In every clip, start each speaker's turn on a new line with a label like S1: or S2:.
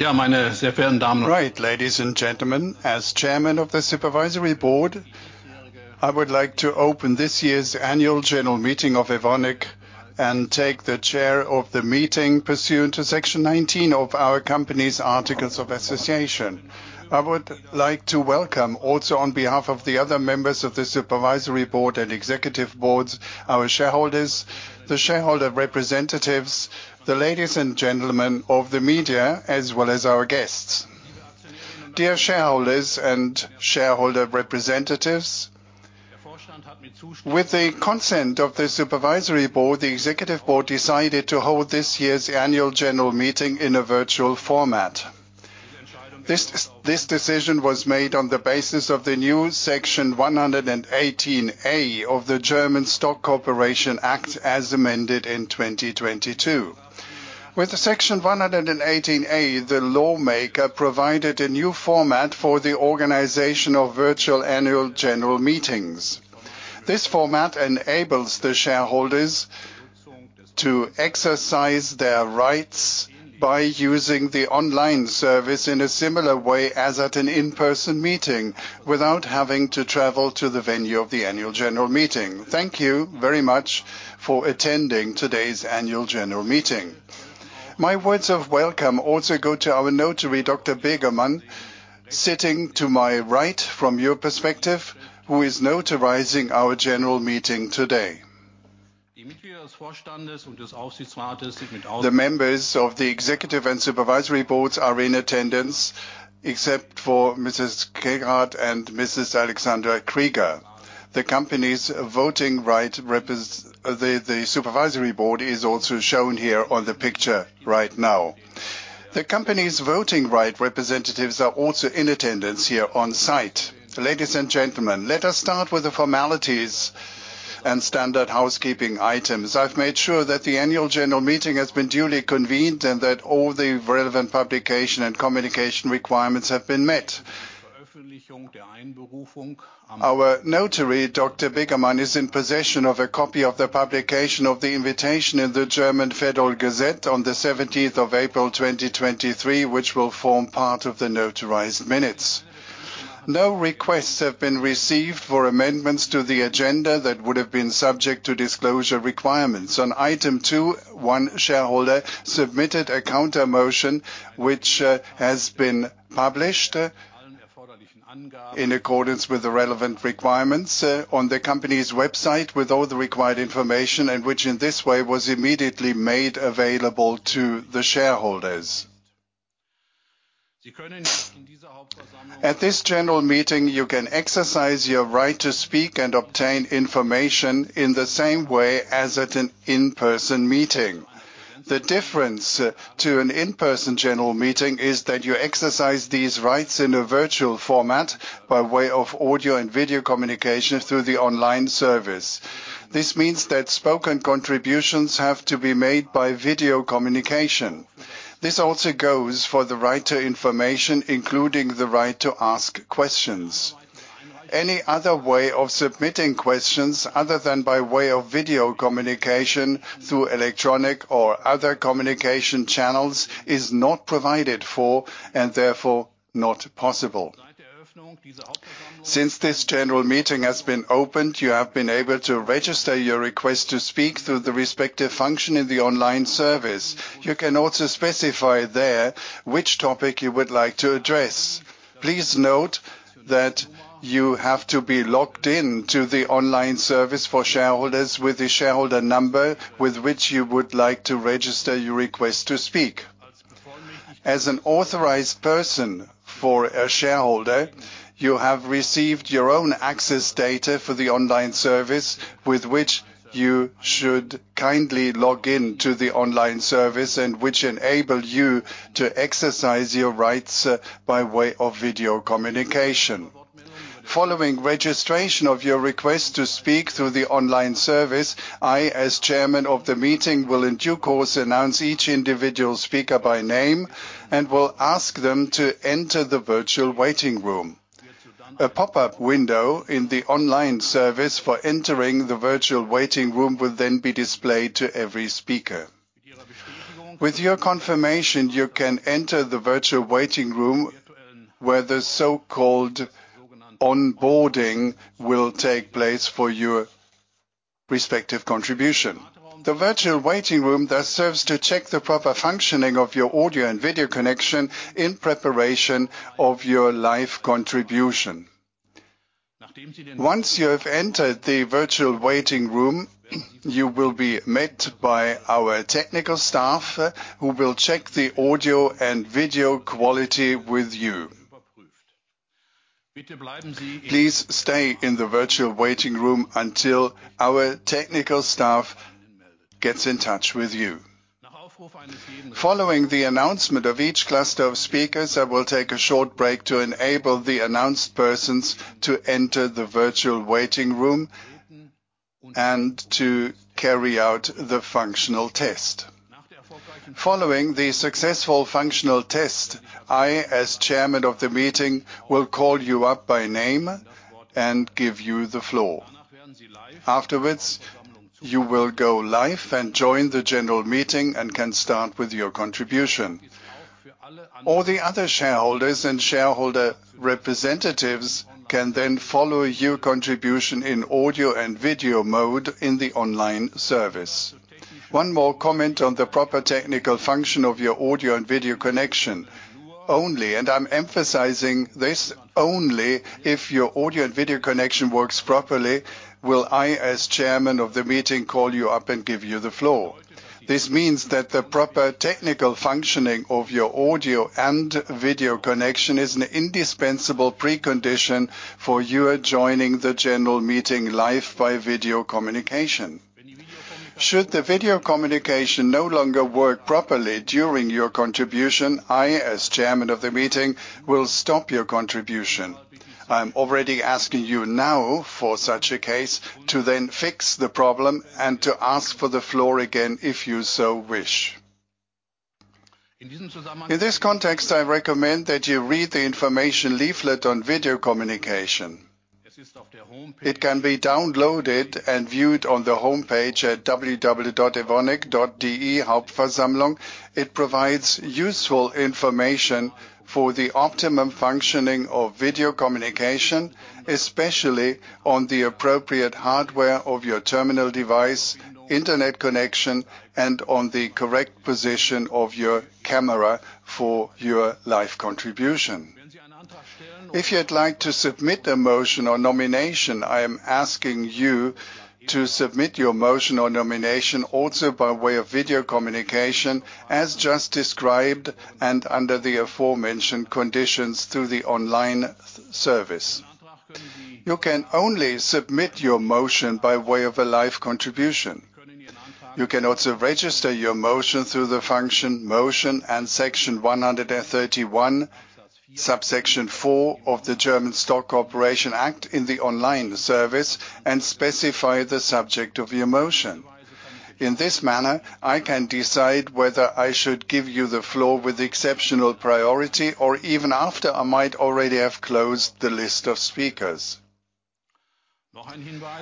S1: Ladies and gentlemen, as chairman of the supervisory board, I would like to open this year's annual general meeting of Evonik, and take the chair of the meeting pursuant to Section 19 of our company's articles of association. I would like to welcome, also on behalf of the other members of the supervisory board and executive boards, our shareholders, the shareholder representatives, the ladies and gentlemen of the media, as well as our guests. Dear shareholders and shareholder representatives, with the consent of the supervisory board, the executive board decided to hold this year's annual general meeting in a virtual format. This decision was made on the basis of the new Section 118a of the German Stock Corporation Act, as amended in 2022. With the Section 118a, the lawmaker provided a new format for the organization of virtual annual general meetings. This format enables the shareholders to exercise their rights by using the online service in a similar way as at an in-person meeting, without having to travel to the venue of the annual general meeting. Thank you very much for attending today's annual general meeting. My words of welcome also go to our notary, Dr. Begemann, sitting to my right, from your perspective, who is notarizing our general meeting today. The members of the executive and supervisory boards are in attendance, except for Mrs. Keghart and Mrs. Alexandra Krieger. The company's voting right supervisory board is also shown here on the picture right now. The company's voting right representatives are also in attendance here on site. Ladies and gentlemen, let us start with the formalities and standard housekeeping items. I've made sure that the annual general meeting has been duly convened, and that all the relevant publication and communication requirements have been met. Our notary, Dr Begemann, is in possession of a copy of the publication of the invitation in the Federal Gazette on the 17th of April, 2023, which will form part of the notarized minutes. No requests have been received for amendments to the agenda that would have been subject to disclosure requirements. On item two, one shareholder submitted a counter motion, which has been published, in accordance with the relevant requirements, on the company's website, with all the required information, and which, in this way, was immediately made available to the shareholders. At this general meeting, you can exercise your right to speak and obtain information in the same way as at an in-person meeting. The difference to an in-person general meeting is that you exercise these rights in a virtual format by way of audio and video communication through the online service. This means that spoken contributions have to be made by video communication. This also goes for the right to information, including the right to ask questions. Any other way of submitting questions, other than by way of video communication through electronic or other communication channels, is not provided for, and therefore not possible. Since this general meeting has been opened, you have been able to register your request to speak through the respective function in the online service. You can also specify there which topic you would like to address. Please note that you have to be logged in to the online service for shareholders, with the shareholder number with which you would like to register your request to speak. As an authorized person for a shareholder, you have received your own access data for the online service, with which you should kindly log in to the online service, and which enable you to exercise your rights by way of video communication. Following registration of your request to speak through the online service, I, as chairman of the meeting, will in due course, announce each individual speaker by name, and will ask them to enter the virtual waiting room. A pop-up window in the online service for entering the virtual waiting room will then be displayed to every speaker. With your confirmation, you can enter the virtual waiting room, where the so-called onboarding will take place for your respective contribution. The virtual waiting room, thus, serves to check the proper functioning of your audio and video connection in preparation of your live contribution. Once you have entered the virtual waiting room, you will be met by our technical staff, who will check the audio and video quality with you. Please stay in the virtual waiting room until our technical staff gets in touch with you. Following the announcement of each cluster of speakers, I will take a short break to enable the announced persons to enter the virtual waiting room, and to carry out the functional test. Following the successful functional test, I, as chairman of the meeting, will call you up by name and give you the floor. Afterwards, you will go live and join the general meeting and can start with your contribution. All the other shareholders and shareholder representatives can then follow your contribution in audio and video mode in the online service. One more comment on the proper technical function of your audio and video connection. Only, and I'm emphasizing this, only if your audio and video connection works properly, will I, as chairman of the meeting, call you up and give you the floor. This means that the proper technical functioning of your audio and video connection is an indispensable precondition for you joining the general meeting live by video communication. Should the video communication no longer work properly during your contribution, I, as chairman of the meeting, will stop your contribution. I'm already asking you now, for such a case, to then fix the problem and to ask for the floor again, if you so wish. In this context, I recommend that you read the information leaflet on video communication. It can be downloaded and viewed on the homepage at www.evonik.de/hauptversammlung. It provides useful information for the optimum functioning of video communication, especially on the appropriate hardware of your terminal device, internet connection, and on the correct position of your camera for your live contribution. If you'd like to submit a motion or nomination, I am asking you to submit your motion or nomination also by way of video communication, as just described and under the aforementioned conditions, through the online service. You can only submit your motion by way of a live contribution. You can also register your motion through the function motion and Section 131, subsection 4 of the German Stock Corporation Act in the online service, and specify the subject of your motion. In this manner, I can decide whether I should give you the floor with exceptional priority, or even after I might already have closed the list of speakers.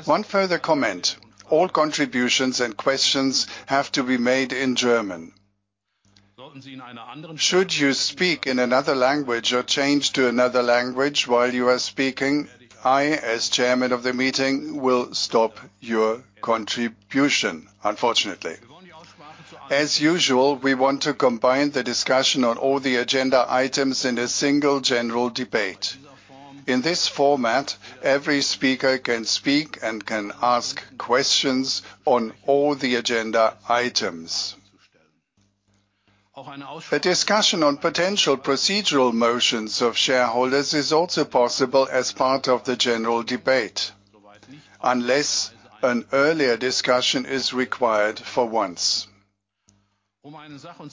S1: One further comment, all contributions and questions have to be made in German. Should you speak in another language or change to another language while you are speaking, I, as chairman of the meeting, will stop your contribution, unfortunately. As usual, we want to combine the discussion on all the agenda items in a single general debate. In this format, every speaker can speak and can ask questions on all the agenda items. A discussion on potential procedural motions of shareholders is also possible as part of the general debate, unless an earlier discussion is required for once.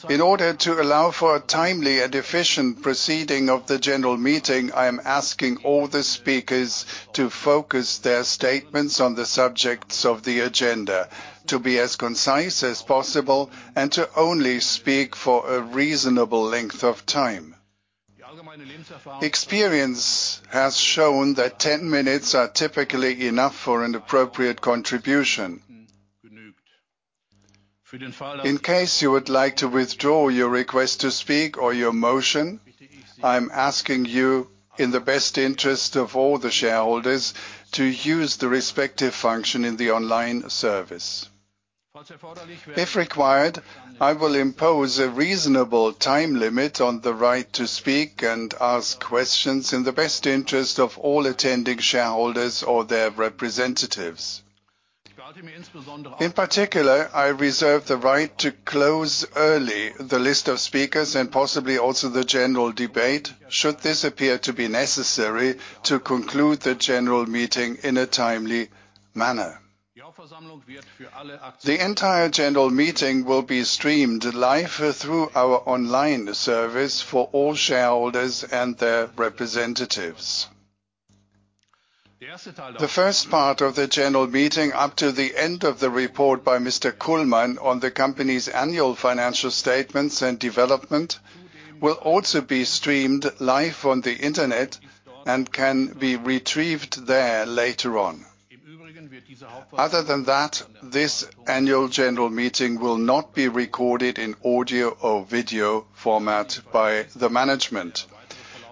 S1: In order to allow for a timely and efficient proceeding of the general meeting, I am asking all the speakers to focus their statements on the subjects of the agenda, to be as concise as possible, and to only speak for a reasonable length of time. Experience has shown that 10 minutes are typically enough for an appropriate contribution. In case you would like to withdraw your request to speak or your motion, I'm asking you, in the best interest of all the shareholders, to use the respective function in the online service. If required, I will impose a reasonable time limit on the right to speak and ask questions in the best interest of all attending shareholders or their representatives. In particular, I reserve the right to close early the list of speakers, and possibly also the general debate, should this appear to be necessary to conclude the general meeting in a timely manner. The entire general meeting will be streamed live through our online service for all shareholders and their representatives. The first part of the general meeting, up to the end of the report by Mr. Kullmann on the company's annual financial statements and development, will also be streamed live on the internet and can be retrieved there later on. Other than that, this annual general meeting will not be recorded in audio or video format by the management.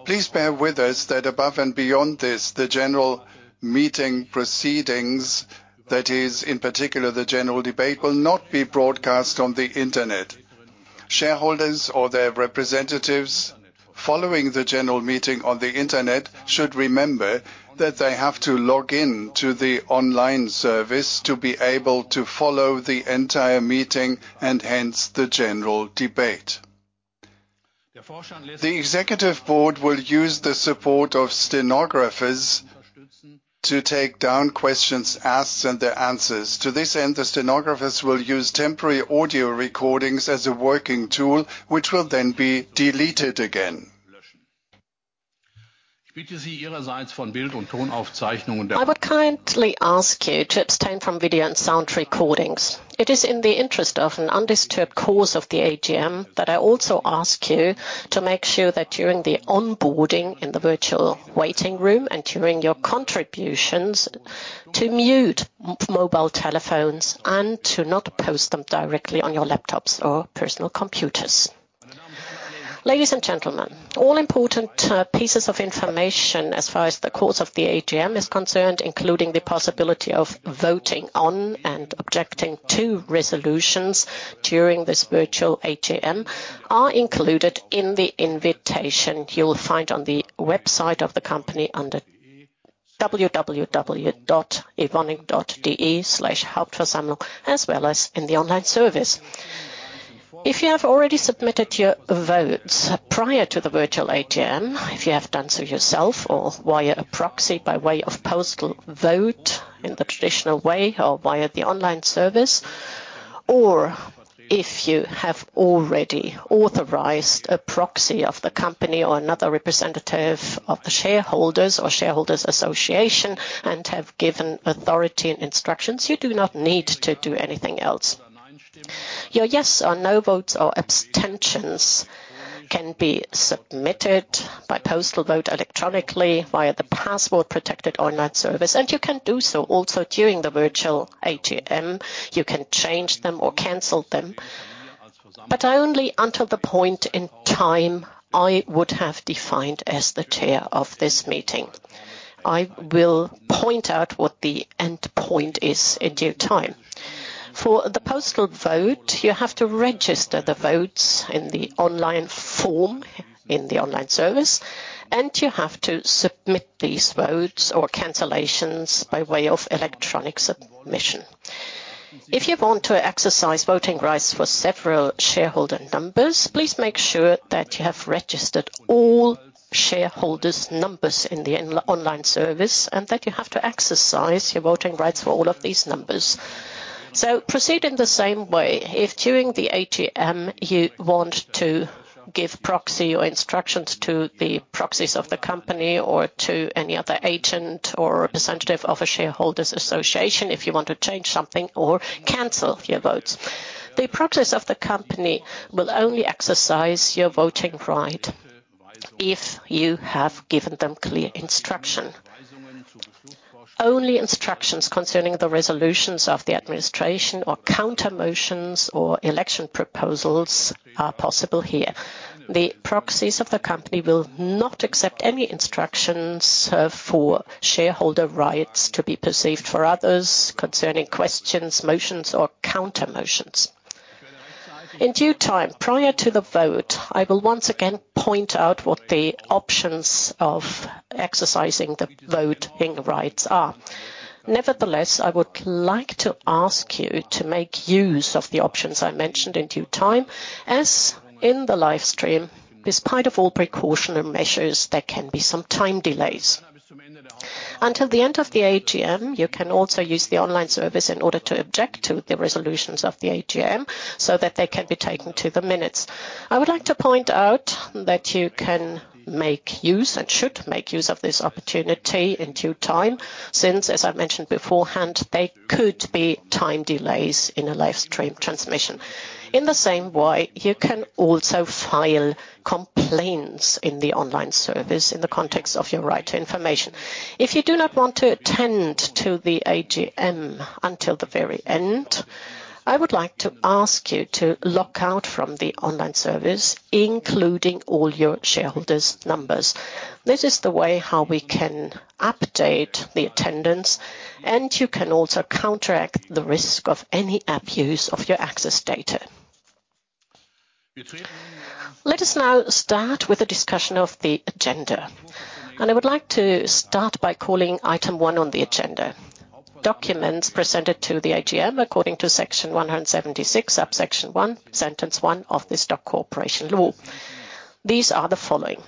S1: Please bear with us that above and beyond this, the general meeting proceedings, that is, in particular, the general debate, will not be broadcast on the internet. Shareholders or their representatives following the general meeting on the internet should remember that they have to log in to the online service to be able to follow the entire meeting, and hence, the general debate. The executive board will use the support of stenographers to take down questions asked and their answers. To this end, the stenographers will use temporary audio recordings as a working tool, which will then be deleted again. ...
S2: I would kindly ask you to abstain from video and sound recordings. It is in the interest of an undisturbed course of the AGM that I also ask you to make sure that during the onboarding in the virtual waiting room and during your contributions, to mute mobile telephones and to not post them directly on your laptops or personal computers. Ladies and gentlemen, all important pieces of information as far as the course of the AGM is concerned, including the possibility of voting on and objecting to resolutions during this virtual AGM, are included in the invitation you'll find on the website of the company under www.evonik.de/hauptversammlung, as well as in the online service. If you have already submitted your votes prior to the virtual AGM, if you have done so yourself or via a proxy by way of postal vote in the traditional way or via the online service, or if you have already authorized a proxy of the company or another representative of the shareholders or shareholders association and have given authority and instructions, you do not need to do anything else. Your yes or no votes or abstentions can be submitted by postal vote electronically via the password-protected online service, and you can do so also during the virtual AGM. You can change them or cancel them, but only until the point in time I would have defined as the chair of this meeting. I will point out what the endpoint is in due time. For the postal vote, you have to register the votes in the online form, in the online service, and you have to submit these votes or cancellations by way of electronic submission. If you want to exercise voting rights for several shareholder numbers, please make sure that you have registered all shareholders' numbers in the online service, and that you have to exercise your voting rights for all of these numbers. Proceed in the same way if, during the AGM, you want to give proxy or instructions to the proxies of the company or to any other agent or representative of a shareholders association, if you want to change something or cancel your votes. The proxies of the company will only exercise your voting right if you have given them clear instruction. Only instructions concerning the resolutions of the administration or countermotions or election proposals are possible here. The proxies of the company will not accept any instructions for shareholder rights to be perceived for others concerning questions, motions, or countermotions. In due time, prior to the vote, I will once again point out what the options of exercising the voting rights are. Nevertheless, I would like to ask you to make use of the options I mentioned in due time, as in the live stream, despite of all precautionary measures, there can be some time delays. Until the end of the AGM, you can also use the online service in order to object to the resolutions of the AGM, so that they can be taken to the minutes. I would like to point out that you can make use, and should make use, of this opportunity in due time, since, as I mentioned beforehand, there could be time delays in a live stream transmission. In the same way, you can also file complaints in the online service in the context of your right to information. If you do not want to attend to the AGM until the very end, I would like to ask you to log out from the online service, including all your shareholders' numbers. This is the way how we can update the attendance, and you can also counteract the risk of any abuse of your access data. Let us now start with a discussion of the agenda, and I would like to start by calling item one on the agenda: documents presented to the AGM according to Section 176, subsection 1, sentence 1 of the Stock Corporation Law. These are the following: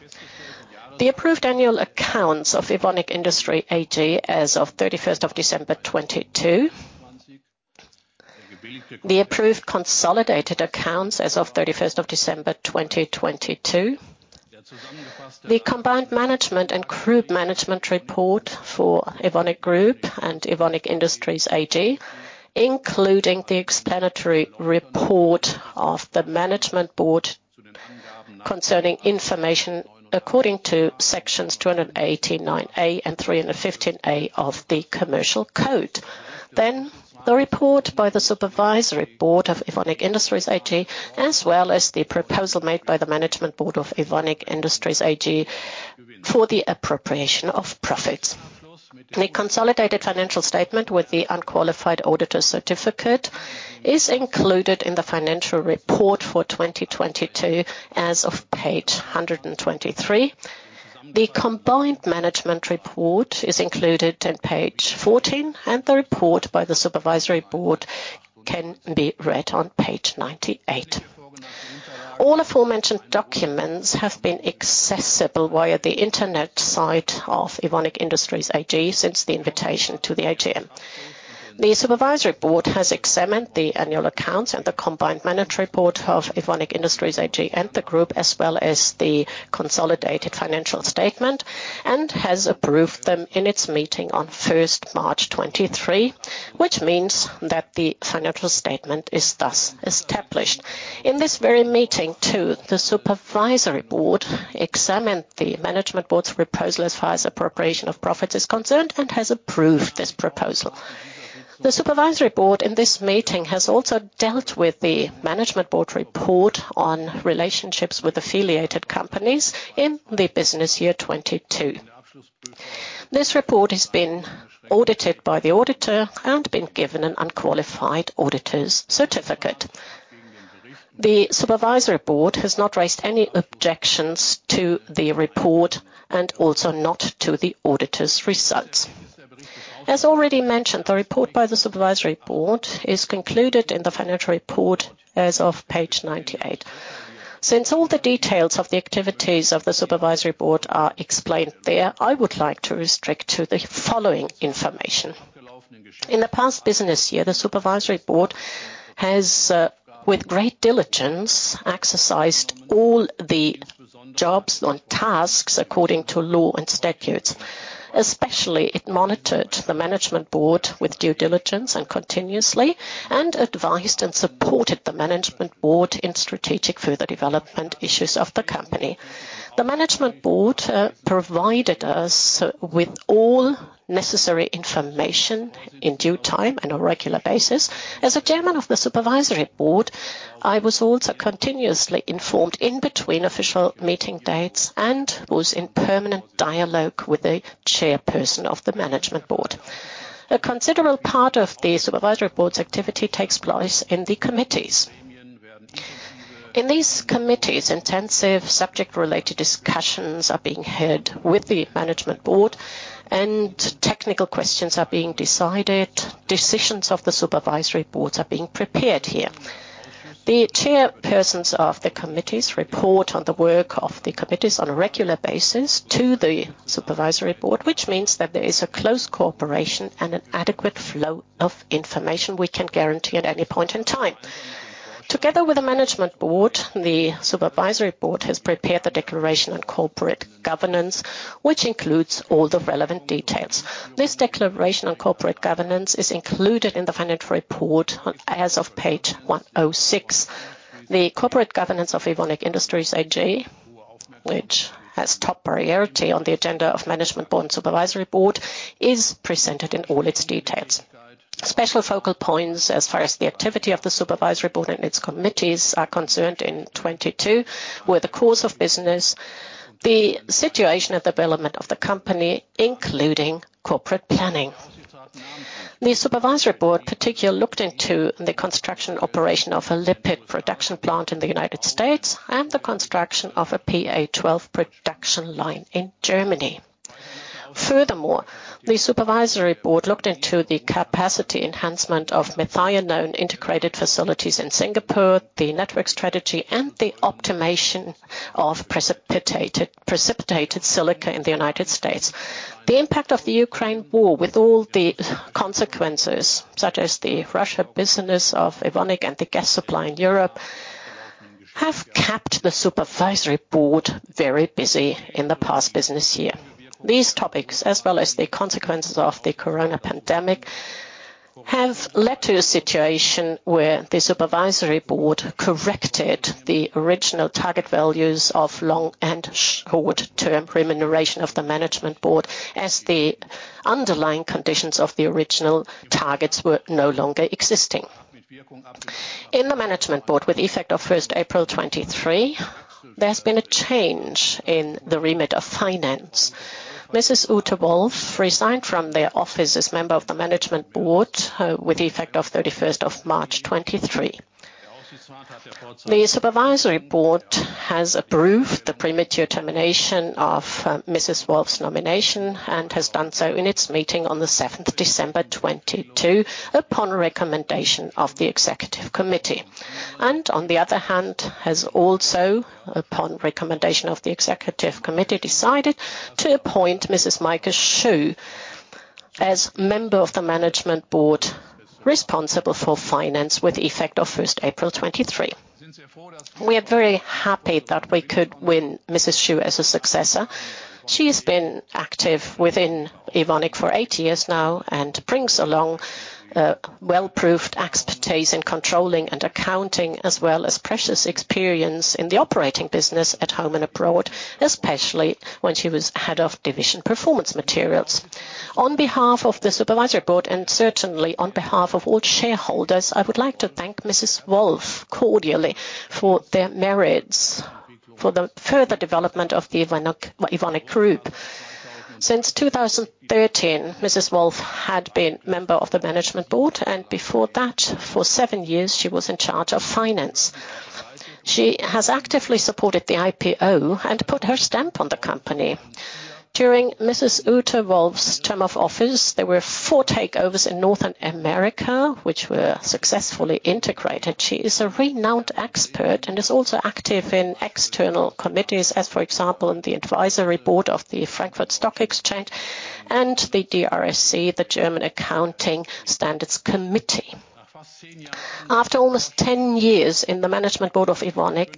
S2: The approved annual accounts of Evonik Industries AG as of 31st of December, 2022. The approved consolidated accounts as of 31st of December, 2022. The combined management and group management report for Evonik Group and Evonik Industries AG, including the explanatory report of the management board concerning information according to sections 218, 9A, and 315A of the Commercial Code. The report by the supervisory board of Evonik Industries AG, as well as the proposal made by the management board of Evonik Industries AG for the appropriation of profits. The consolidated financial statement with the unqualified auditor certificate is included in the financial report for 2022 as of Page 123. The combined management report is included in Page 14, and the report by the supervisory board can be read on Page 98. All aforementioned documents have been accessible via the Internet site of Evonik Industries AG since the invitation to the AGM. The Supervisory Board has examined the annual accounts and the combined management report of Evonik Industries AG and the group, as well as the consolidated financial statement, and has approved them in its meeting on 1st March 2023, which means that the financial statement is thus established. In this very meeting, too, the Supervisory Board examined the Management Board's proposal as far as appropriation of profits is concerned, and has approved this proposal. The Supervisory Board in this meeting has also dealt with the Management Board report on relationships with affiliated companies in the business year 2022. This report has been audited by the auditor and been given an unqualified auditor's certificate. The Supervisory Board has not raised any objections to the report, and also not to the auditor's results. As already mentioned, the report by the Supervisory Board is concluded in the financial report as of Page 98. All the details of the activities of the Supervisory Board are explained there, I would like to restrict to the following information. In the past business year, the Supervisory Board has, with great diligence, exercised all the jobs on tasks according to law and statutes. Especially, it monitored the Management Board with due diligence and continuously, and advised and supported the Management Board in strategic further development issues of the company. The Management Board provided us with all necessary information in due time and on a regular basis. As a chairman of the Supervisory Board, I was also continuously informed in between official meeting dates and was in permanent dialogue with the chairperson of the Management Board. A considerable part of the Supervisory Board's activity takes place in the committees. In these committees, intensive subject-related discussions are being heard with the Management Board, and technical questions are being decided. Decisions of the Supervisory Board are being prepared here. The chairpersons of the committees report on the work of the committees on a regular basis to the Supervisory Board, which means that there is a close cooperation and an adequate flow of information we can guarantee at any point in time. Together with the Management Board, the Supervisory Board has prepared the declaration on corporate governance, which includes all the relevant details. This declaration on corporate governance is included in the financial report as of Page 106. The corporate governance of Evonik Industries AG, which has top priority on the agenda of Management Board and Supervisory Board, is presented in all its details. Special focal points as far as the activity of the Supervisory Board and its committees are concerned in 2022, were the course of business, the situation and development of the company, including corporate planning. The Supervisory Board particularly looked into the construction operation of a lipid production plant in the United States and the construction of a PA12 production line in Germany. Furthermore, the Supervisory Board looked into the capacity enhancement of methionine integrated facilities in Singapore, the network strategy, and the optimization of precipitated silica in the United States. The impact of the Ukraine war, with all the consequences, such as the Russia business of Evonik and the gas supply in Europe, have kept the Supervisory Board very busy in the past business year. These topics, as well as the consequences of the Corona pandemic, have led to a situation where the Supervisory Board corrected the original target values of long and short-term remuneration of the Management Board, as the underlying conditions of the original targets were no longer existing. In the Management Board, with effect of 1st April 2023, there's been a change in the remit of finance. Mrs. Ute Wolf resigned from their office as member of the Management Board, with effect of 31st of March 2023. The Supervisory Board has approved the premature termination of Mrs. Wolf's nomination, has done so in its meeting on the 7th December 2022, upon recommendation of the Executive Committee. On the other hand, has also, upon recommendation of the Executive Committee, decided to appoint Mrs. Maike Schuh as member of the Management Board, responsible for finance with effect of 1st April 2023. We are very happy that we could win Mrs. Schuh as a successor. She has been active within Evonik for eight years now and brings along well-proved expertise in controlling and accounting, as well as precious experience in the operating business at home and abroad, especially when she was Head of Division Performance Materials. On behalf of the Supervisory Board, certainly on behalf of all shareholders, I would like to thank Mrs. Wolf cordially for their merits, for the further development of the Evonik Group. Since 2013, Mrs. Wolf had been member of the Management Board, before that, for seven years, she was in charge of finance. She has actively supported the IPO and put her stamp on the company. During Mrs. Ute Wolf's term of office, there were four takeovers in Northern America, which were successfully integrated. She is a renowned expert and is also active in external committees, as, for example, in the Advisory Board of the Frankfurt Stock Exchange and the DRSC, the German Accounting Standards Committee. After almost 10 years in the management board of Evonik,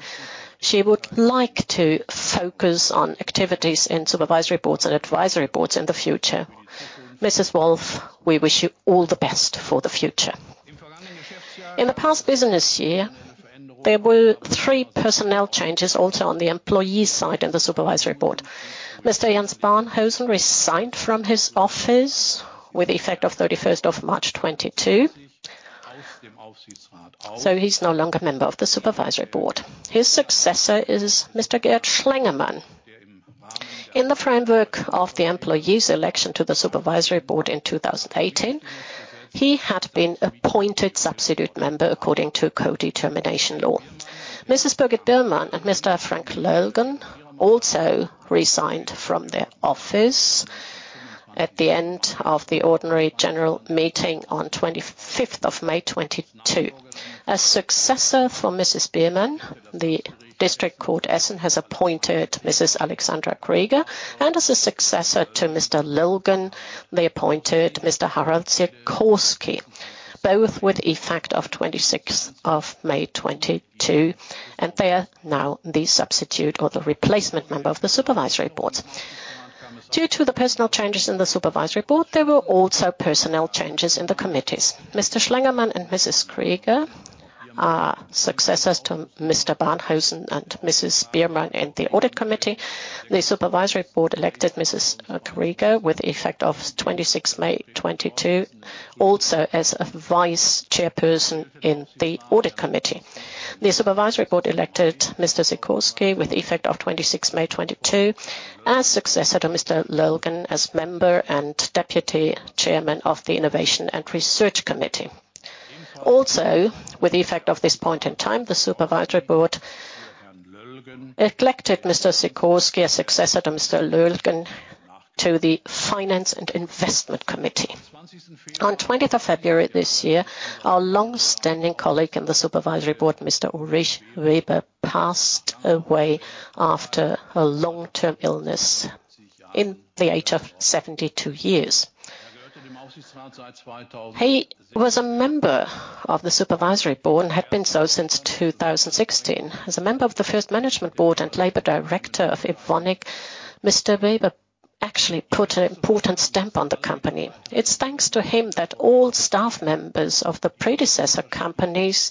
S2: she would like to focus on activities in supervisory boards and advisory boards in the future. Mrs. Wolff, we wish you all the best for the future. In the past business year, there were three personnel changes also on the employee side of the supervisory board. Mr. Jens Barnhusen resigned from his office with effect of 31st of March 2022, so he's no longer a member of the supervisory board. His successor is Mr. Gerd Schlengermann. In the framework of the employees election to the Supervisory Board in 2018, he had been appointed substitute member according to Co-Determination law. Mrs. Birgit Biermann and Mr. Frank Löllgen also resigned from their office at the end of the ordinary general meeting on 25th of May 2022. A successor for Mrs. Biermann, the District Court Essen, has appointed Mrs. Alexandra Krieger, and as a successor to Mr. Löllgen, they appointed Mr. Harald Sikorski, both with effect of 26th of May 2022, and they are now the substitute or the replacement member of the Supervisory Board. Due to the personal changes in the Supervisory Board, there were also personnel changes in the committees. Mr. Schlengermann and Mrs. Krieger are successors to Mr. Barnhusen and Mrs. Biermann in the Audit Committee. The Supervisory Board elected Mrs. Krieger with effect of 26th May 2022, also as a Vice Chairperson in the Audit Committee. The Supervisory Board elected Mr. Sikorski with effect of 26th May 2022, as successor to Mr. Löllgen as member and Deputy Chairman of the Innovation and Research Committee. With the effect of this point in time, the Supervisory Board elected Mr. Sikorski as successor to Mr. Löllgen to the Finance and Investment Committee. On 20th of February this year, our long-standing colleague in the Supervisory Board, Mr. Ulrich Weber, passed away after a long-term illness in the age of 72 years. He was a member of the Supervisory Board and had been so since 2016. As a member of the first Management Board and Labor Director of Evonik, Mr. Weber actually put an important stamp on the company. It's thanks to him that all staff members of the predecessor companies,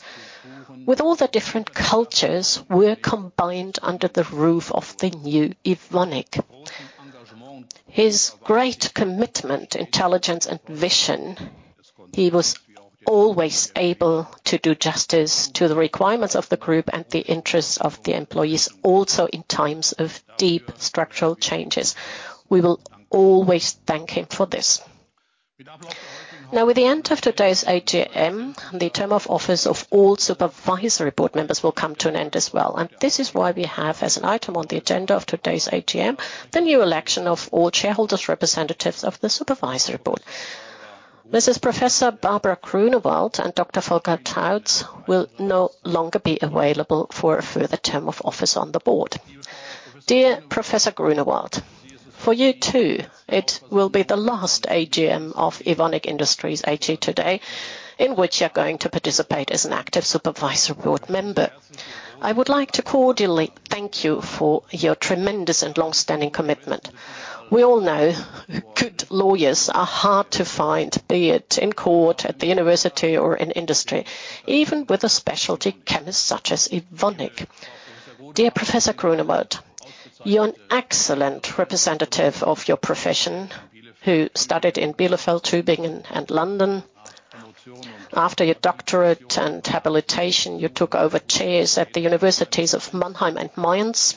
S2: with all the different cultures, were combined under the roof of the new Evonik. His great commitment, intelligence and vision, he was always able to do justice to the requirements of the group and the interests of the employees, also in times of deep structural changes. We will always thank him for this. Now, with the end of today's AGM, the term of office of all supervisory board members will come to an end as well, and this is why we have as an item on the agenda of today's AGM, the new election of all shareholders representatives of the supervisory board. Mrs. Professor Barbara Grunewald and Dr. Volker Trautz will no longer be available for a further term of office on the board. Dear Professor Grunewald, for you, too, it will be the last AGM of Evonik Industries AG today, in which you're going to participate as an active supervisory board member. I would like to cordially thank you for your tremendous and long-standing commitment. We all know good lawyers are hard to find, be it in court, at the university, or in industry, even with a specialty chemist such as Evonik. Dear Professor Grunewald, you're an excellent representative of your profession, who studied in Bielefeld, Tübingen, and London. After your doctorate and habilitation, you took over chairs at the universities of Mannheim and Mainz,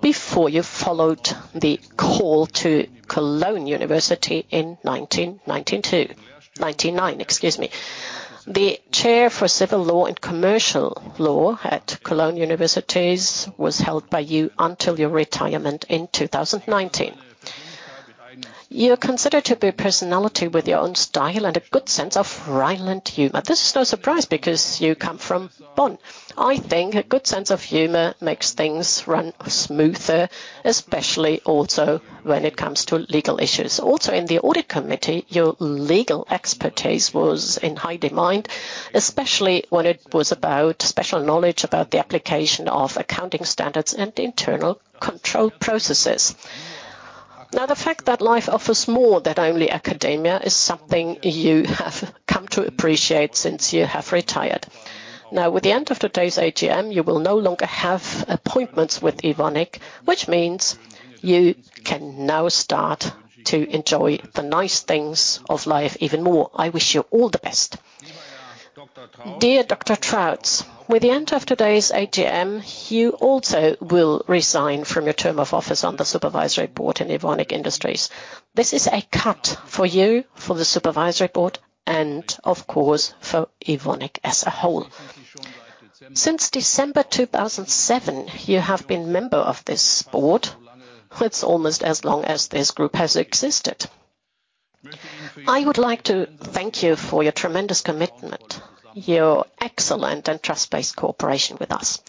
S2: before you followed the call to Cologne University in 1992. 1999, excuse me. The Chair for Civil Law and Commercial Law at Cologne Universities was held by you until your retirement in 2019. You are considered to be a personality with your own style and a good sense of Rhineland humor. This is no surprise, because you come from Bonn. I think a good sense of humor makes things run smoother, especially also when it comes to legal issues. Also, in the audit committee, your legal expertise was in high demand, especially when it was about special knowledge about the application of accounting standards and internal control processes. Now, the fact that life offers more than only academia is something you have come to appreciate since you have retired. Now, with the end of today's AGM, you will no longer have appointments with Evonik, which means you can now start to enjoy the nice things of life even more. I wish you all the best. Dear Dr. Trautz, with the end of today's AGM, you also will resign from your term of office on the Supervisory Board in Evonik Industries. This is a cut for you, for the Supervisory Board, and of course, for Evonik as a whole. Since December 2007, you have been member of this board. It's almost as long as this group has existed. I would like to thank you for your tremendous commitment, your excellent and trust-based cooperation with us.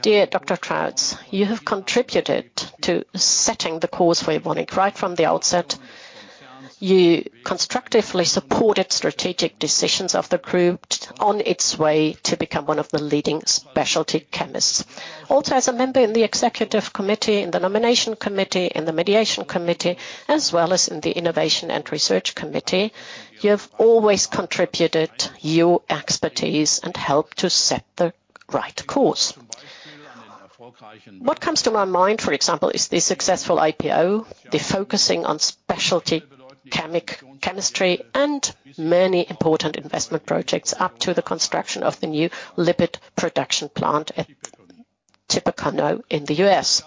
S2: Dear Dr. Trautz, you have contributed to setting the course for Evonik right from the outset. You constructively supported strategic decisions of the group on its way to become one of the leading specialty chemists. As a member in the executive committee, in the nomination committee, in the mediation committee, as well as in the innovation and research committee, you have always contributed your expertise and helped to set the right course. What comes to my mind, for example, is the successful IPO, the focusing on specialty chemistry, and many important investment projects, up to the construction of the new lipid production plant at Tippecanoe in the U.S.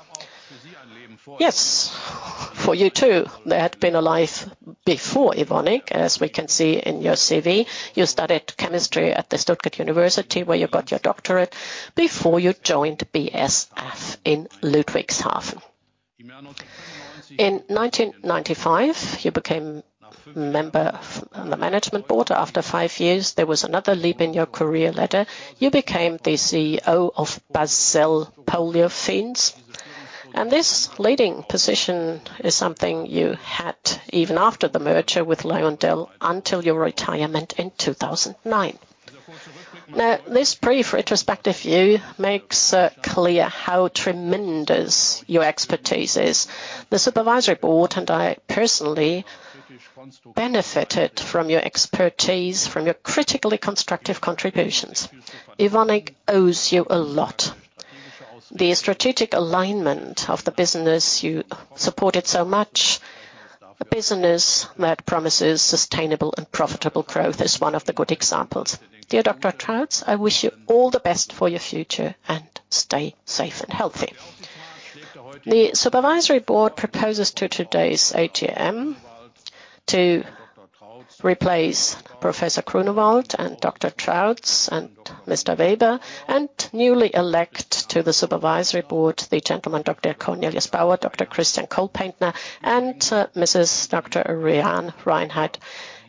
S2: For you, too, there had been a life before Evonik, as we can see in your CV. You studied chemistry at the Stuttgart University, where you got your doctorate before you joined BASF in Ludwigshafen. In 1995, you became member of the management board. After five years, there was another leap in your career ladder. You became the CEO of Basell Polyolefins, and this leading position is something you had even after the merger with Lyondell until your retirement in 2009. Now, this brief retrospective view makes clear how tremendous your expertise is. The supervisory board and I personally benefited from your expertise, from your critically constructive contributions. Evonik owes you a lot. The strategic alignment of the business you supported so much, a business that promises sustainable and profitable growth, is one of the good examples. Dear Dr. Trautz, I wish you all the best for your future, and stay safe and healthy. The supervisory board proposes to today's AGM to replace Professor Grunewald and Dr. Trautz and Mr. Weber, and newly elect to the supervisory board the gentleman, Dr. Cornelius Baur, Dr. Christian Kohlpaintner, and Mrs. Dr. Ariane Reinhart,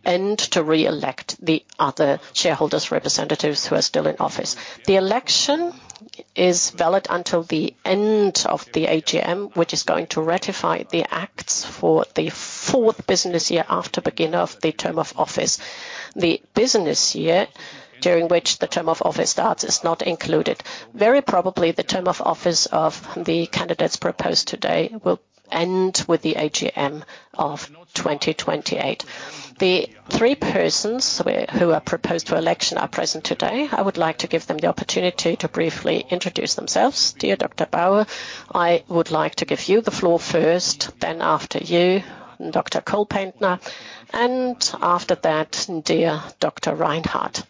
S2: to re-elect the other shareholders' representatives who are still in office. The election is valid until the end of the AGM, which is going to ratify the acts for the fourth business year after beginning of the term of office. The business year during which the term of office starts is not included. Very probably, the term of office of the candidates proposed today will end with the AGM of 2028. The three persons who are proposed for election are present today. I would like to give them the opportunity to briefly introduce themselves. Dear Dr. Baur, I would like to give you the floor first, then after you, Dr. Kohlpaintner, and after that, dear Dr. Reinhart.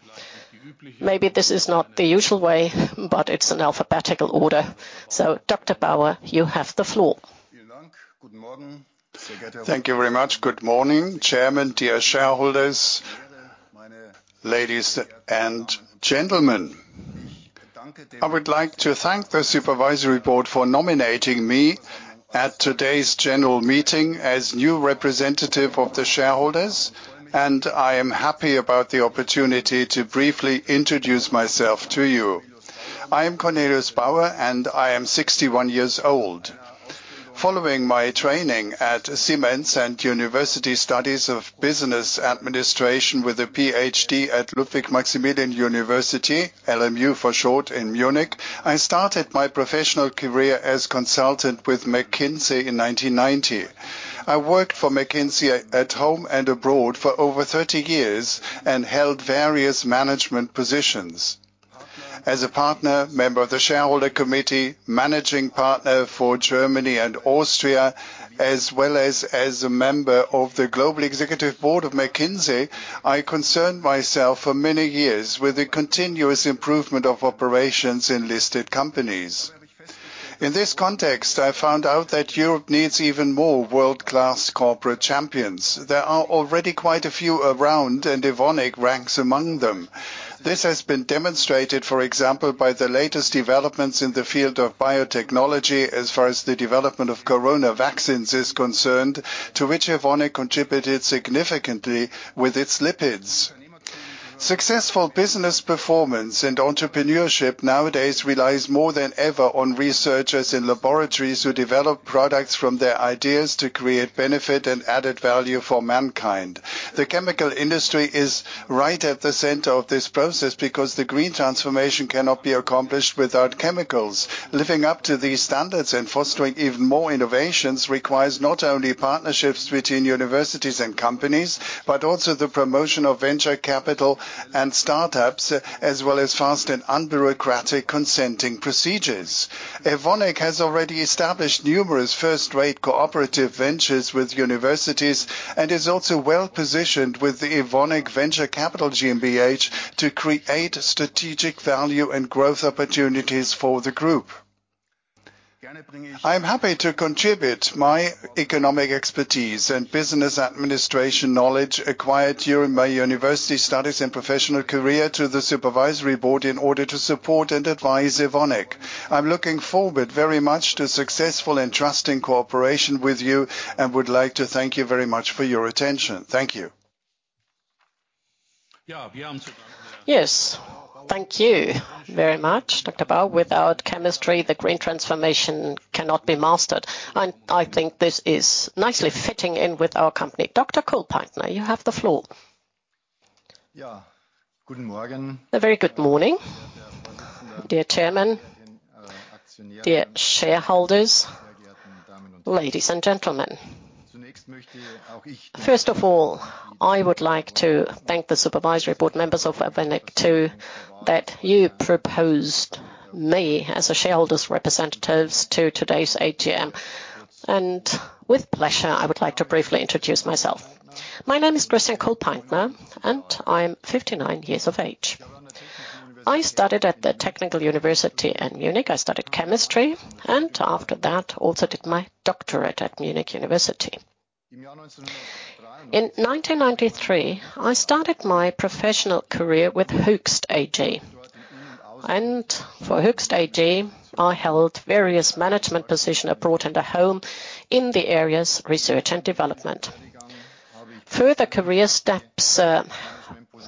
S2: Maybe this is not the usual way, but it's in alphabetical order. Dr. Baur, you have the floor.
S3: Thank you very much. Good morning, Chairman, dear shareholders, ladies and gentlemen. I would like to thank the Supervisory Board for nominating me at today's General Meeting as new representative of the shareholders. I am happy about the opportunity to briefly introduce myself to you. I am Cornelius Baur. I am 61 years old. Following my training at Siemens and university studies of business administration with a PhD at Ludwig Maximilian University, LMU for short, in Munich, I started my professional career as consultant with McKinsey in 1990. I worked for McKinsey at home and abroad for over 30 years and held various management positions. As a partner, member of the Shareholder Committee, Managing Partner for Germany and Austria, as well as a member of the Global Executive Board of McKinsey, I concerned myself for many years with the continuous improvement of operations in listed companies. In this context, I found out that Europe needs even more world-class corporate champions. There are already quite a few around, and Evonik ranks among them. This has been demonstrated, for example, by the latest developments in the field of biotechnology as far as the development of Corona vaccines is concerned, to which Evonik contributed significantly with its lipids. Successful business performance and entrepreneurship nowadays relies more than ever on researchers in laboratories who develop products from their ideas to create benefit and added value for mankind. The chemical industry is right at the center of this process because the green transformation cannot be accomplished without chemicals. Living up to these standards and fostering even more innovations requires not only partnerships between universities and companies, but also the promotion of venture capital and startups, as well as fast and unbureaucratic consenting procedures. Evonik has already established numerous first-rate cooperative ventures with universities and is also well positioned with the Evonik Venture Capital GmbH to create strategic value and growth opportunities for the group. I am happy to contribute my economic expertise and business administration knowledge acquired during my university studies and professional career to the supervisory board in order to support and advise Evonik. I'm looking forward very much to successful and trusting cooperation with you and would like to thank you very much for your attention. Thank you.
S1: Yes, thank you very much, Dr. Baur. Without chemistry, the green transformation cannot be mastered, and I think this is nicely fitting in with our company. Dr. Kohlpaintner, you have the floor.
S4: Yeah. Good morning. A very good morning, dear chairman, dear shareholders, ladies and gentlemen. First of all, I would like to thank the supervisory board members of Evonik too, that you proposed me as a shareholder's representatives to today's AGM. With pleasure, I would like to briefly introduce myself. My name is Christian Kohlpaintner, and I'm 59 years of age. I studied at the Technical University of Munich. I studied chemistry, and after that also did my doctorate at Munich University. In 1993, I started my professional career with Hoechst AG. For Hoechst AG, I held various management position abroad and at home in the areas research and development. Further career steps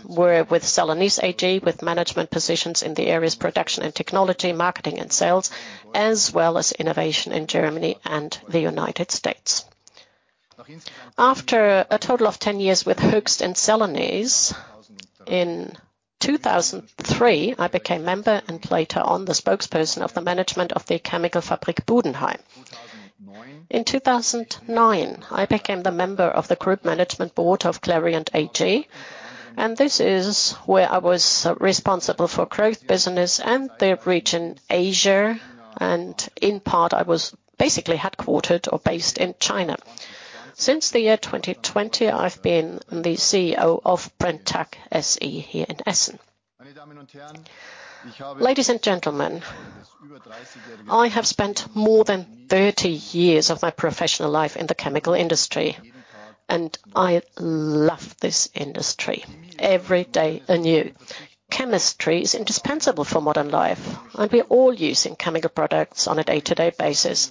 S4: were with Celanese AG, with management positions in the areas production and technology, marketing and sales, as well as innovation in Germany and the United States. After a total of 10 years with Hoechst AG and Celanese, in 2003, I became member, and later on, the spokesperson of the management of the Chemische Fabrik Budenheim KG. In 2009, I became the member of the group management board of Clariant AG, this is where I was responsible for growth business and the region Asia, and in part, I was basically headquartered or based in China. Since the year 2020, I've been the CEO of Brenntag SE here in Essen. Ladies and gentlemen, I have spent more than 30 years of my professional life in the chemical industry, and I love this industry every day anew. Chemistry is indispensable for modern life, and we are all using chemical products on a day-to-day basis.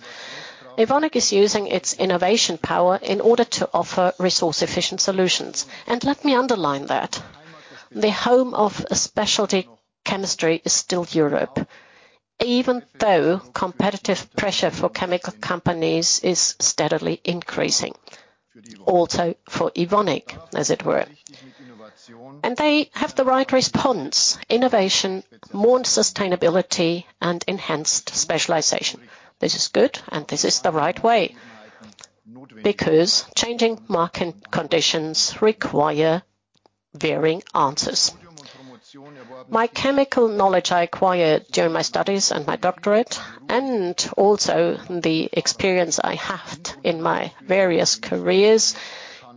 S4: Evonik is using its innovation power in order to offer resource-efficient solutions. Let me underline that. The home of specialty chemistry is still Europe, even though competitive pressure for chemical companies is steadily increasing, also for Evonik, as it were. They have the right response: innovation, more sustainability, and enhanced specialization. This is good, and this is the right way, because changing market conditions require varying answers. My chemical knowledge I acquired during my studies and my doctorate, and also the experience I have in my various careers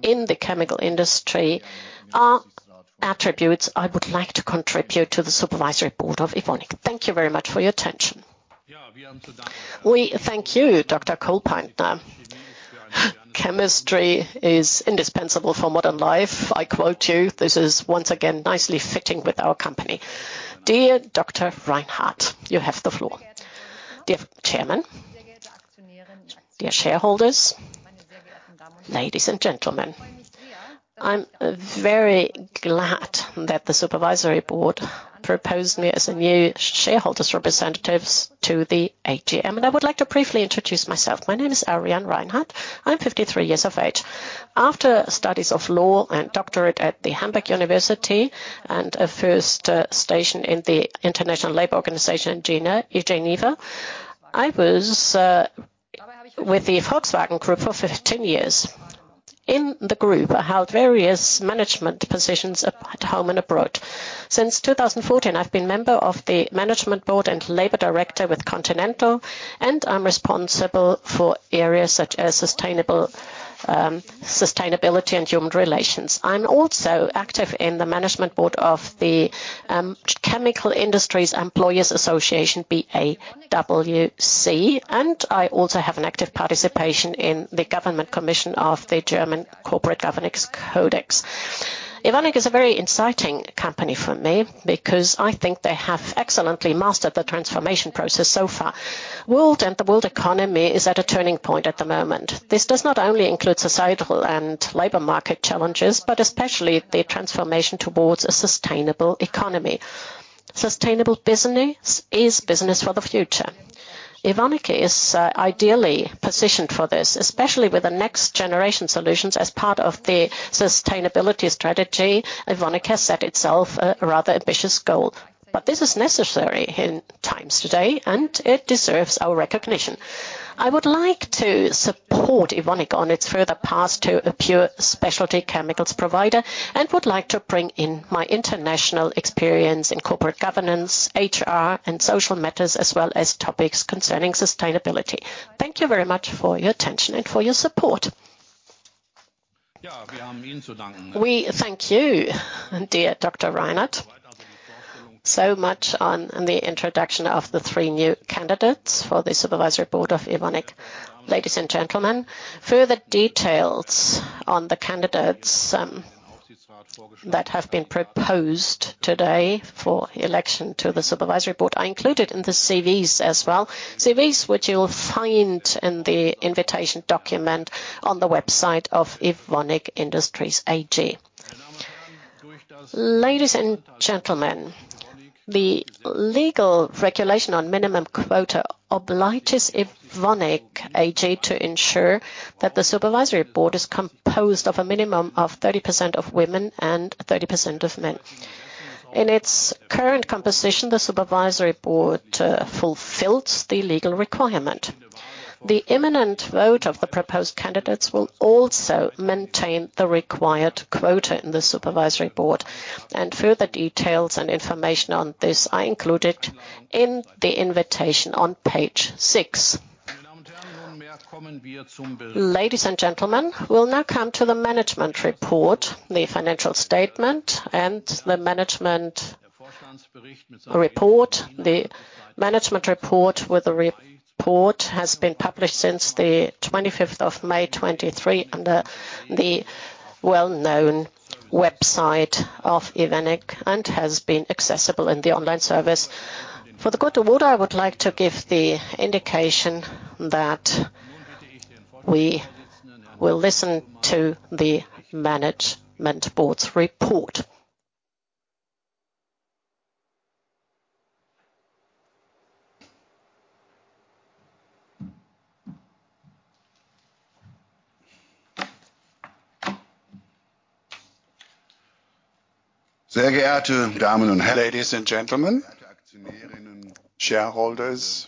S4: in the chemical industry are attributes I would like to contribute to the supervisory board of Evonik. Thank you very much for your attention.
S1: We thank you, Dr. Kohlpaintner. Chemistry is indispensable for modern life, I quote you. This is once again nicely fitting with our company. Dear Dr. Reinhart, you have the floor.
S5: Dear Chairman, dear shareholders, ladies and gentlemen. I'm very glad that the Supervisory Board proposed me as a new shareholders' representatives to the AGM. I would like to briefly introduce myself. My name is Ariane Reinhart. I'm 53 years of age. After studies of law and doctorate at the University of Hamburg and a first station in the International Labour Organization in Geneva, I was with the Volkswagen Group for 15 years. In the group, I held various management positions at home and abroad. Since 2014, I've been member of the Management Board and Labor Director with Continental, and I'm responsible for areas such as sustainable sustainability and human relations. I'm also active in the management board of the Chemical Industries Employers Association, BAVC, and I also have an active participation in the Government Commission of the German Corporate Governance Code. Evonik is a very exciting company for me because I think they have excellently mastered the transformation process so far. World and the world economy is at a turning point at the moment. This does not only include societal and labor market challenges, but especially the transformation towards a sustainable economy. Sustainable business is business for the future. Evonik is ideally positioned for this, especially with the Next Generation Solutions as part of the sustainability strategy, Evonik has set itself a rather ambitious goal. This is necessary in times today, and it deserves our recognition. I would like to support Evonik on its further path to a pure specialty chemicals provider and would like to bring in my international experience in corporate governance, HR, and social matters, as well as topics concerning sustainability. Thank you very much for your attention and for your support.
S1: We thank you, dear Dr. Reinhart, so much on the introduction of the three new candidates for the supervisory board of Evonik. Ladies and gentlemen, further details on the candidates that have been proposed today for election to the supervisory board are included in the CVs as well. CVs, which you will find in the invitation document on the website of Evonik Industries AG. Ladies and gentlemen, the legal regulation on minimum quota obligates Evonik AG to ensure that the supervisory board is composed of a minimum of 30% of women and 30% of men. In its current composition, the supervisory board fulfills the legal requirement. The imminent vote of the proposed candidates will also maintain the required quota in the supervisory board, and further details and information on this are included in the invitation on Page six. Ladies and gentlemen, we'll now come to the management report, the financial statement, and the management report. The management report with the report has been published since the 25th of May 2023, under the well-known website of Evonik, and has been accessible in the online service. For the gute Gute, I would like to give the indication that we will listen to the management board's report.
S2: Ladies and gentlemen, shareholders,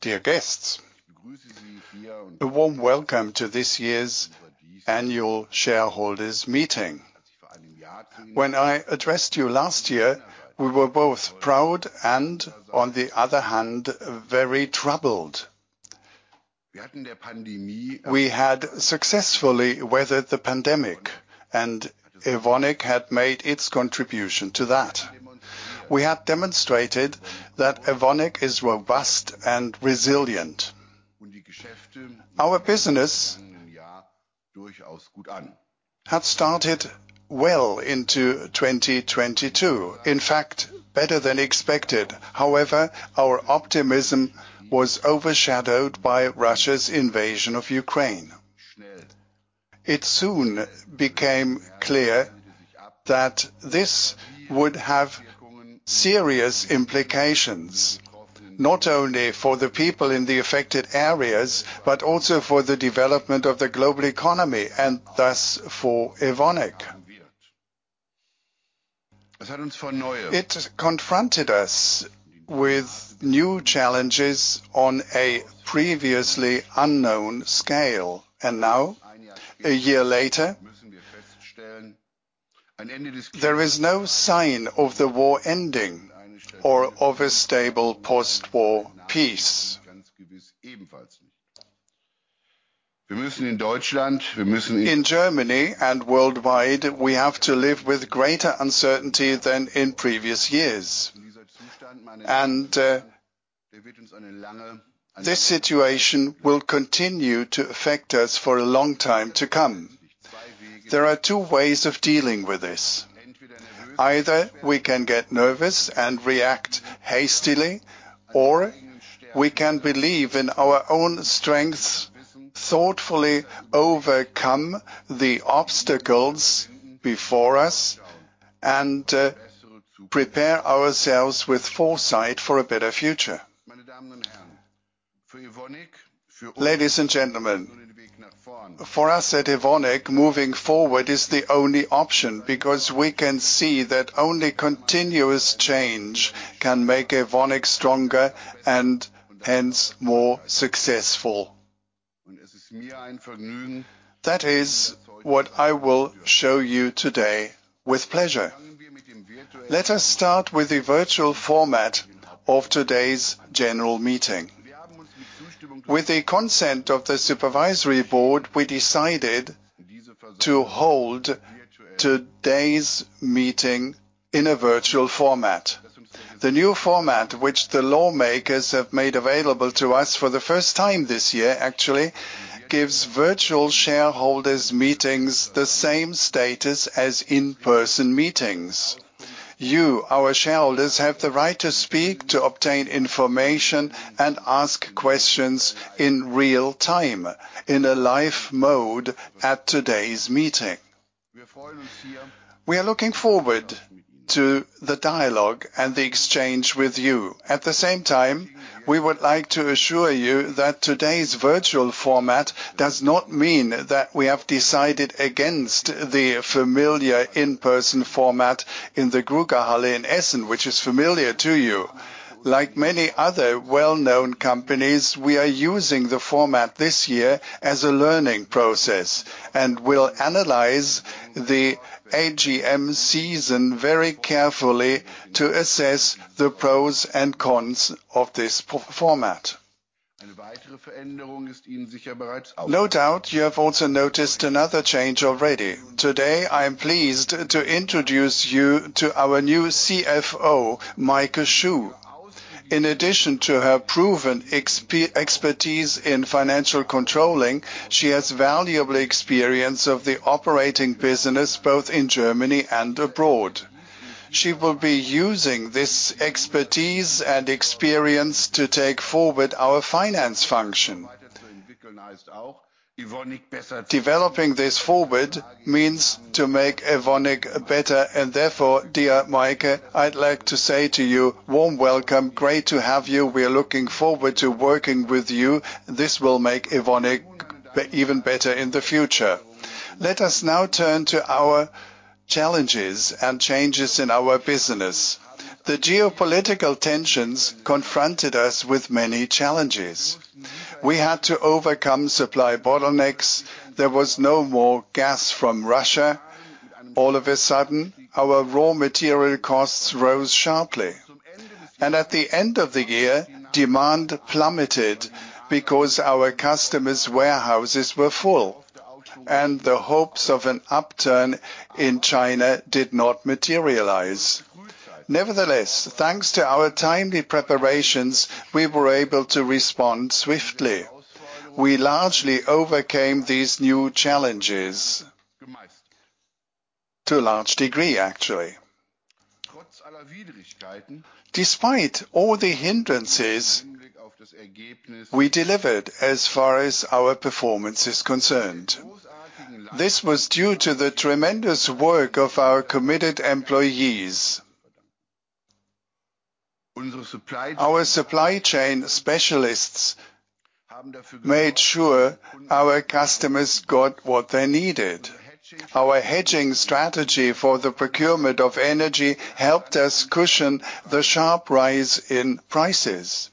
S2: dear guests, a warm welcome to this year's annual shareholders meeting. When I addressed you last year, we were both proud and, on the other hand, very troubled. We had successfully weathered the pandemic, and Evonik had made its contribution to that. We had demonstrated that Evonik is robust and resilient. Our business had started well into 2022, in fact, better than expected. However, our optimism was overshadowed by Russia's invasion of Ukraine. It soon became clear that this would have serious implications, not only for the people in the affected areas, but also for the development of the global economy and thus for Evonik. It confronted us with new challenges on a previously unknown scale, and now, a year later, there is no sign of the war ending or of a stable post-war peace. In Germany and worldwide, we have to live with greater uncertainty than in previous years. This situation will continue to affect us for a long time to come. There are two ways of dealing with this. Either we can get nervous and react hastily, or we can believe in our own strengths, thoughtfully overcome the obstacles before us, and prepare ourselves with foresight for a better future. Ladies and gentlemen, for us at Evonik, moving forward is the only option because we can see that only continuous change can make Evonik stronger and hence more successful. That is what I will show you today with pleasure. Let us start with the virtual format of today's general meeting. With the consent of the supervisory board, we decided to hold today's meeting in a virtual format. The new format, which the lawmakers have made available to us for the first time this year, actually gives virtual shareholders' meetings the same status as in-person meetings. You, our shareholders, have the right to speak, to obtain information and ask questions in real time, in a live mode at today's meeting. We are looking forward to the dialogue and the exchange with you. At the same time, we would like to assure you that today's virtual format does not mean that we have decided against the familiar in-person format in the Grugahalle in Essen, which is familiar to you. Like many other well-known companies, we are using the format this year as a learning process and will analyze the AGM season very carefully to assess the pros and cons of this format. No doubt, you have also noticed another change already. Today, I am pleased to introduce you to our new CFO, Maike Schuh. In addition to her proven expertise in financial controlling, she has valuable experience of the operating business, both in Germany and abroad. She will be using this expertise and experience to take forward our finance function. Developing this forward means to make Evonik better, and therefore, dear Maike, I'd like to say to you, warm welcome, great to have you. We are looking forward to working with you. This will make Evonik even better in the future. Let us now turn to our challenges and changes in our business. The geopolitical tensions confronted us with many challenges. We had to overcome supply bottlenecks. There was no more gas from Russia. All of a sudden, our raw material costs rose sharply. At the end of the year, demand plummeted because our customers' warehouses were full, and the hopes of an upturn in China did not materialize. Nevertheless, thanks to our timely preparations, we were able to respond swiftly. We largely overcame these new challenges, to a large degree, actually. Despite all the hindrances, we delivered as far as our performance is concerned. This was due to the tremendous work of our committed employees. Our supply chain specialists made sure our customers got what they needed. Our hedging strategy for the procurement of energy helped us cushion the sharp rise in prices,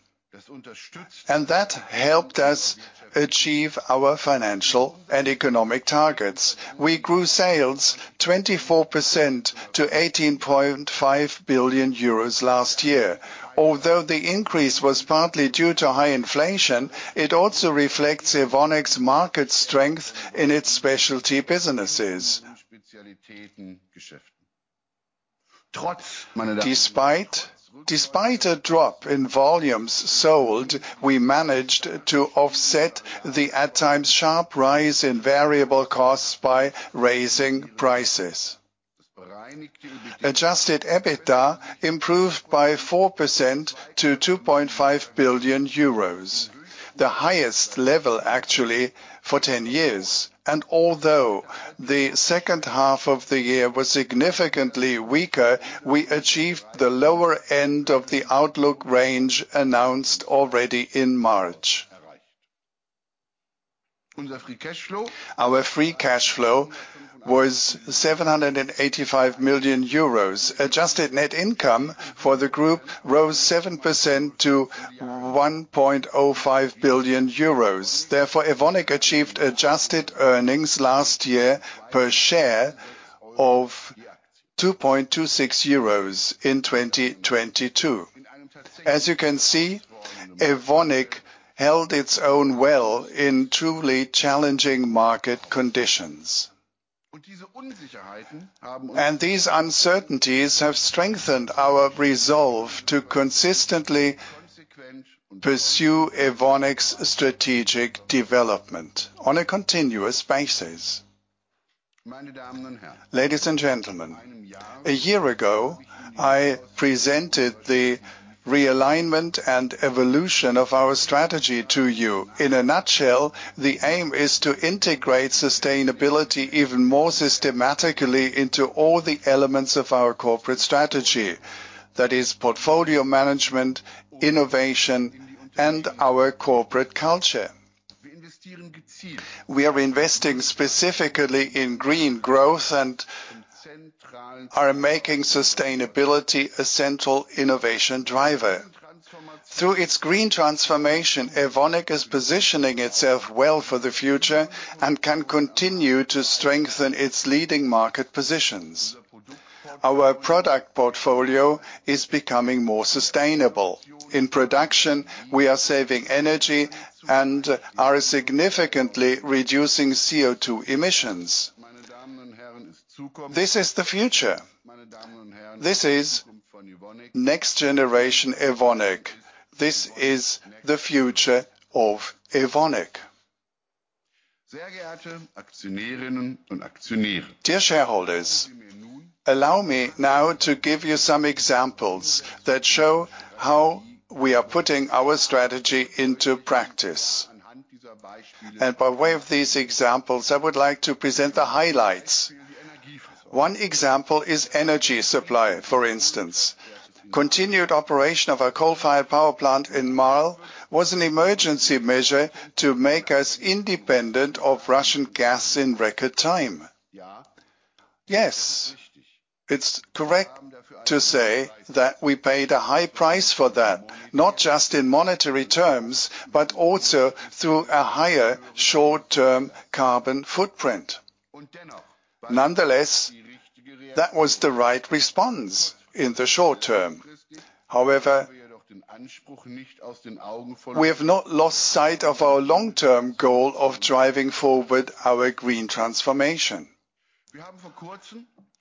S2: and that helped us achieve our financial and economic targets. We grew sales 24% to 18.5 billion euros last year. Although the increase was partly due to high inflation, it also reflects Evonik's market strength in its specialty businesses. Despite a drop in volumes sold, we managed to offset the, at times, sharp rise in variable costs by raising prices. Adjusted EBITDA improved by 4% to 2.5 billion euros, the highest level actually for 10 years. Although the second half of the year was significantly weaker, we achieved the lower end of the outlook range announced already in March. Our free cash flow was 785 million euros. Adjusted net income for the group rose 7% to 1.05 billion euros. Therefore, Evonik achieved adjusted earnings last year per share of 2.26 euros in 2022. As you can see, Evonik held its own well in truly challenging market conditions. These uncertainties have strengthened our resolve to consistently pursue Evonik's strategic development on a continuous basis. Ladies and gentlemen, a year ago, I presented the realignment and evolution of our strategy to you. In a nutshell, the aim is to integrate sustainability even more systematically into all the elements of our corporate strategy. That is portfolio management, innovation, and our corporate culture. We are investing specifically in green growth and are making sustainability a central innovation driver. Through its green transformation, Evonik is positioning itself well for the future and can continue to strengthen its leading market positions. Our product portfolio is becoming more sustainable. In production, we are saving energy and are significantly reducing CO2 emissions. This is the future. This is next generation Evonik. This is the future of Evonik. Dear shareholders, allow me now to give you some examples that show how we are putting our strategy into practice. By way of these examples, I would like to present the highlights. One example is energy supply, for instance. Continued operation of our coal-fired power plant in Marl was an emergency measure to make us independent of Russian gas in record time. Yes, it's correct to say that we paid a high price for that, not just in monetary terms, but also through a higher short-term carbon footprint. Nonetheless, that was the right response in the short term. However, we have not lost sight of our long-term goal of driving forward our green transformation.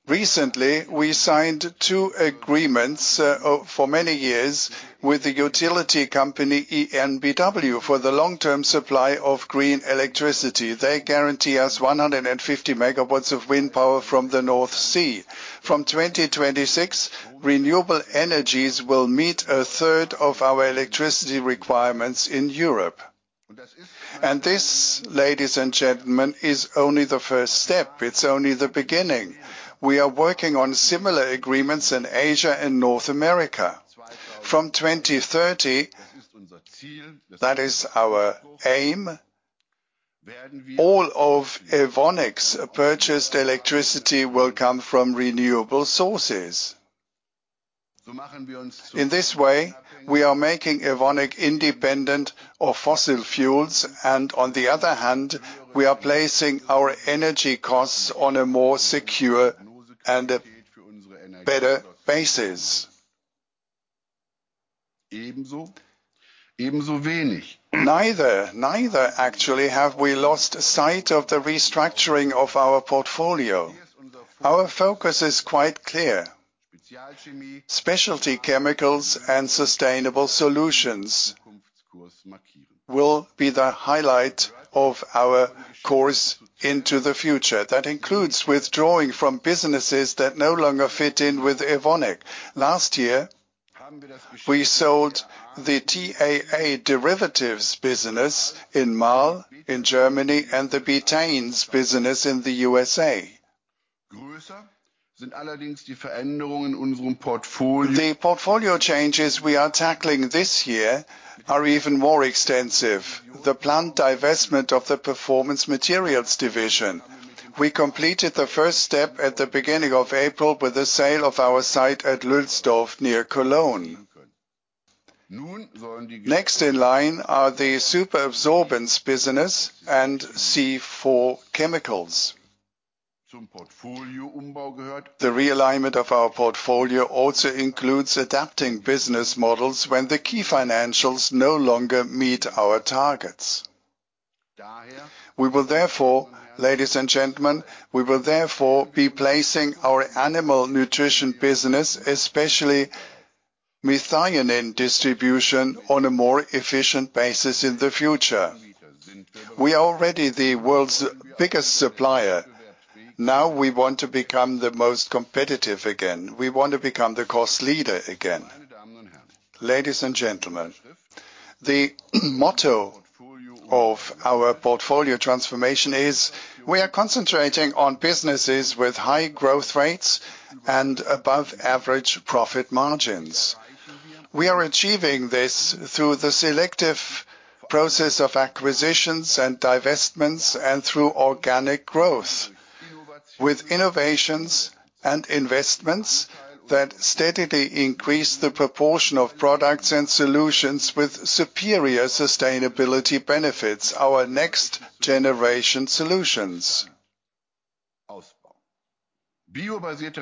S2: Recently, we signed two agreements for many years with the utility company EnBW for the long-term supply of green electricity. They guarantee us 150 MW of wind power from the North Sea. From 2026, renewable energies will meet a third of our electricity requirements in Europe. This, ladies and gentlemen, is only the first step. It's only the beginning. We are working on similar agreements in Asia and North America. From 2030, that is our aim, all of Evonik's purchased electricity will come from renewable sources. In this way, we are making Evonik independent of fossil fuels, and on the other hand, we are placing our energy costs on a more secure and a better basis. Neither actually, have we lost sight of the restructuring of our portfolio. Our focus is quite clear: specialty chemicals and sustainable solutions will be the highlight of our course into the future. That includes withdrawing from businesses that no longer fit in with Evonik. Last year, we sold the TAA derivatives business in Marl, in Germany, and the betaines business in the USA. The portfolio changes we are tackling this year are even more extensive. The planned divestment of the Performance Materials division. We completed the first step at the beginning of April with the sale of our site at Lülsdorf, near Cologne. Next in line are the superabsorbents business and C4 chemicals. The realignment of our portfolio also includes adapting business models when the key financials no longer meet our targets. We will therefore, ladies and gentlemen, we will therefore be placing our animal nutrition business, especially methionine distribution, on a more efficient basis in the future. We are already the world's biggest supplier. Now we want to become the most competitive again. We want to become the cost leader again. Ladies and gentlemen, the motto of our portfolio transformation is: we are concentrating on businesses with high growth rates and above average profit margins. We are achieving this through the selective process of acquisitions and divestments, and through organic growth. With innovations and investments that steadily increase the proportion of products and solutions with superior sustainability benefits, our Next Generation Solutions. Bio-based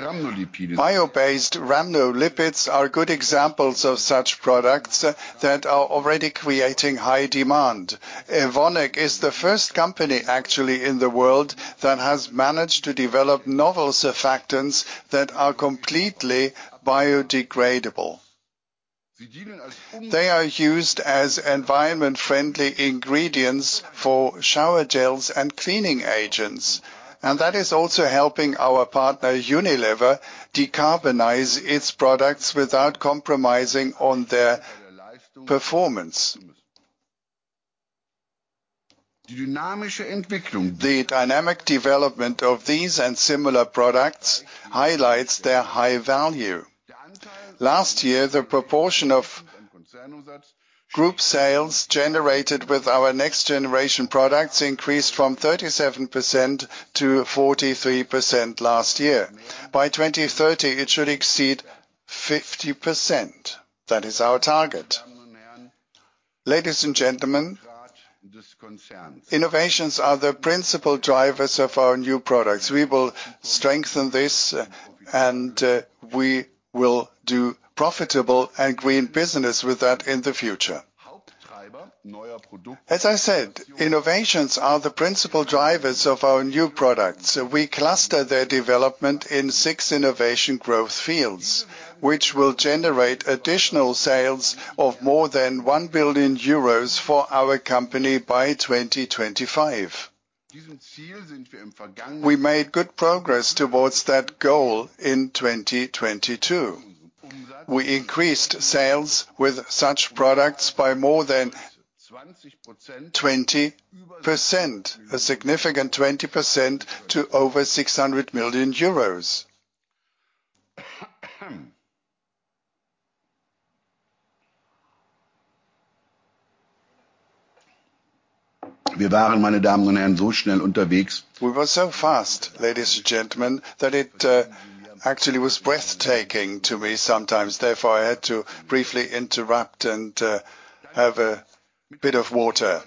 S2: rhamnolipids are good examples of such products that are already creating high demand. Evonik is the first company, actually, in the world, that has managed to develop novel surfactants that are completely biodegradable. They are used as environment-friendly ingredients for shower gels and cleaning agents, and that is also helping our partner, Unilever, decarbonize its products without compromising on their performance. The dynamic development of these and similar products highlights their high value. Last year, the proportion of group sales generated with our Next Generation products increased from 37%-43% last year. By 2030, it should exceed 50%. That is our target. Ladies and gentlemen, innovations are the principal drivers of our new products. We will strengthen this, and we will do profitable and green business with that in the future. As I said, innovations are the principal drivers of our new products. We cluster their development in six innovation growth fields, which will generate additional sales of more than 1 billion euros for our company by 2025. We made good progress towards that goal in 2022. We increased sales with such products by more than 20%, a significant 20%, to over EUR 600 million. We were so fast, ladies and gentlemen, that it actually was breathtaking to me sometimes. I had to briefly interrupt and have a bit of water.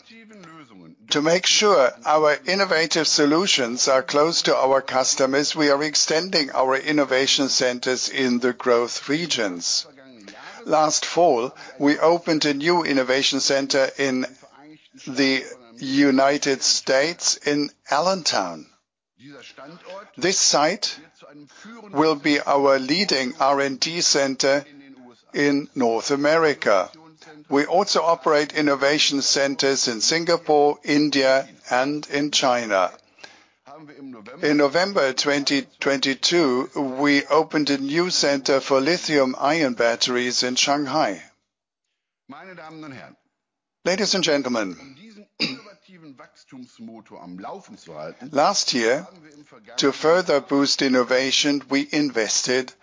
S2: To make sure our innovative solutions are close to our customers, we are extending our innovation centers in the growth regions. Last fall, we opened a new innovation center in the U.S., in Allentown. This site will be our leading R&D center in North America. We also operate innovation centers in Singapore, India, and in China. In November 2022, we opened a new center for lithium ion batteries in Shanghai. Ladies and gentlemen, last year, to further boost innovation, we invested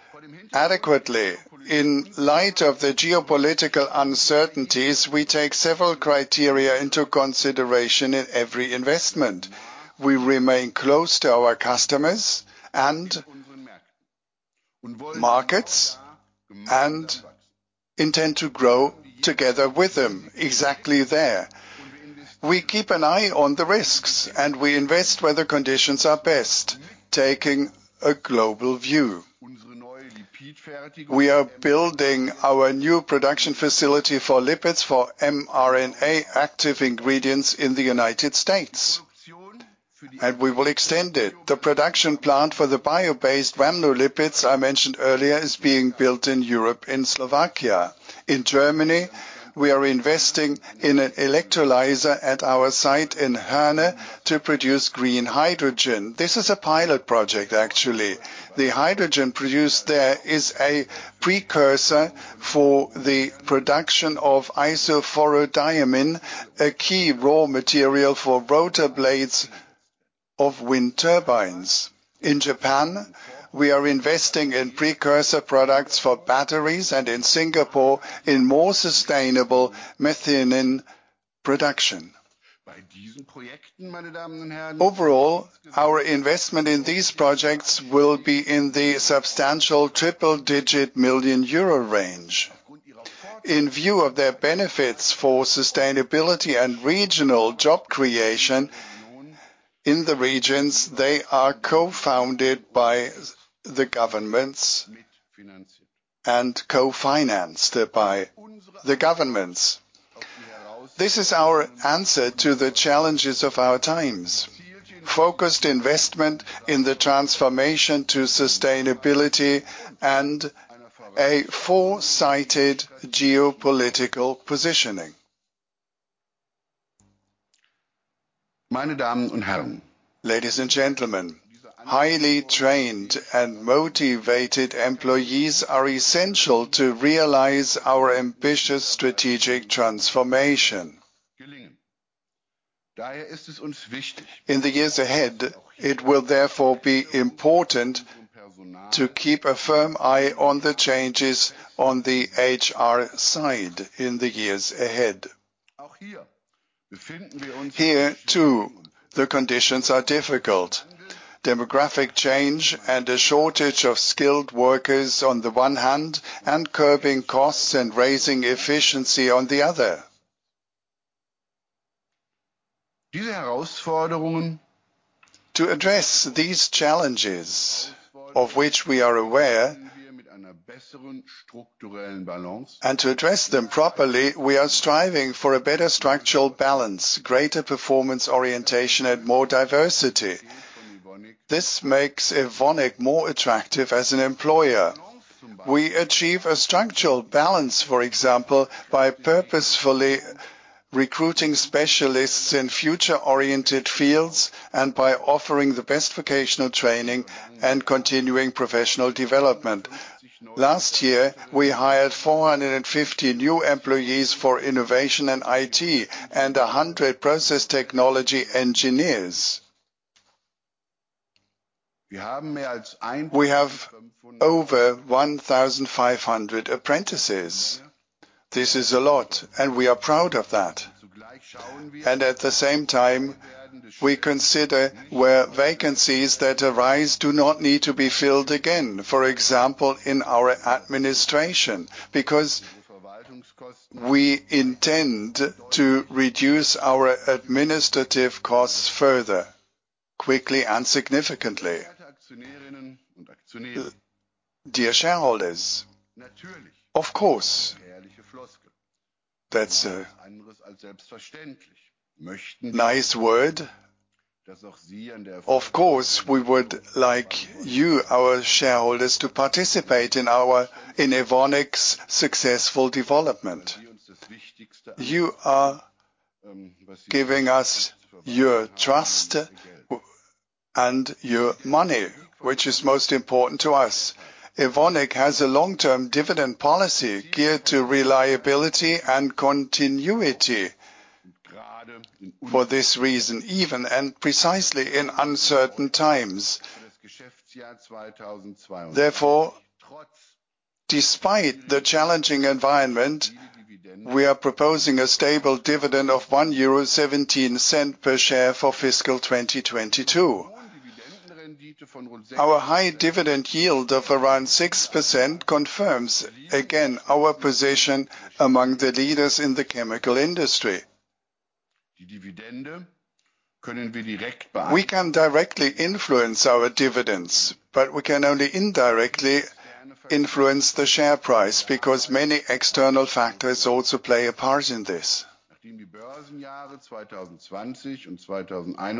S2: adequately. In light of the geopolitical uncertainties, we take several criteria into consideration in every investment. We remain close to our customers and markets, and intend to grow together with them exactly there. We keep an eye on the risks, and we invest where the conditions are best, taking a global view. We are building our new production facility for lipids, for mRNA active ingredients in the U.S., and we will extend it. The production plant for the bio-based rhamnolipid biosurfactants I mentioned earlier, is being built in Europe, in Slovakia. In Germany, we are investing in an electrolyzer at our site in Herne to produce green hydrogen. This is a pilot project, actually. The hydrogen produced there is a precursor for the production of isophorone diamine, a key raw material for rotor blades of wind turbines. In Japan, we are investing in precursor products for batteries, and in Singapore, in more sustainable methionine production. Overall, our investment in these projects will be in the substantial triple digit million euro range. In view of their benefits for sustainability and regional job creation in the regions, they are co-funded by the governments and co-financed by the governments. This is our answer to the challenges of our times: focused investment in the transformation to sustainability and a foresighted geopolitical positioning. Meine Damen und Herren, ladies and gentlemen, highly trained and motivated employees are essential to realize our ambitious strategic transformation. In the years ahead, it will therefore be important to keep a firm eye on the changes on the HR side in the years ahead. Here, too, the conditions are difficult. Demographic change and a shortage of skilled workers on the one hand, and curbing costs and raising efficiency on the other. To address these challenges, of which we are aware, and to address them properly, we are striving for a better structural balance, greater performance orientation, and more diversity. This makes Evonik more attractive as an employer. We achieve a structural balance, for example, by purposefully recruiting specialists in future-oriented fields, and by offering the best vocational training and continuing professional development. Last year, we hired 450 new employees for innovation and IT, and 100 process technology engineers. We have over 1,500 apprentices. This is a lot, and we are proud of that. At the same time, we consider where vacancies that arise do not need to be filled again, for example, in our administration, because we intend to reduce our administrative costs further, quickly and significantly. Dear shareholders, of course, that's a nice word. Of course, we would like you, our shareholders, to participate in our in Evonik's successful development. You are giving us your trust and your money, which is most important to us. Evonik has a long-term dividend policy geared to reliability and continuity for this reason, even, and precisely in uncertain times. Despite the challenging environment, we are proposing a stable dividend of 1.17 euro per share for fiscal 2022. Our high dividend yield of around 6% confirms, again, our position among the leaders in the chemical industry. We can directly influence our dividends, we can only indirectly influence the share price, because many external factors also play a part in this.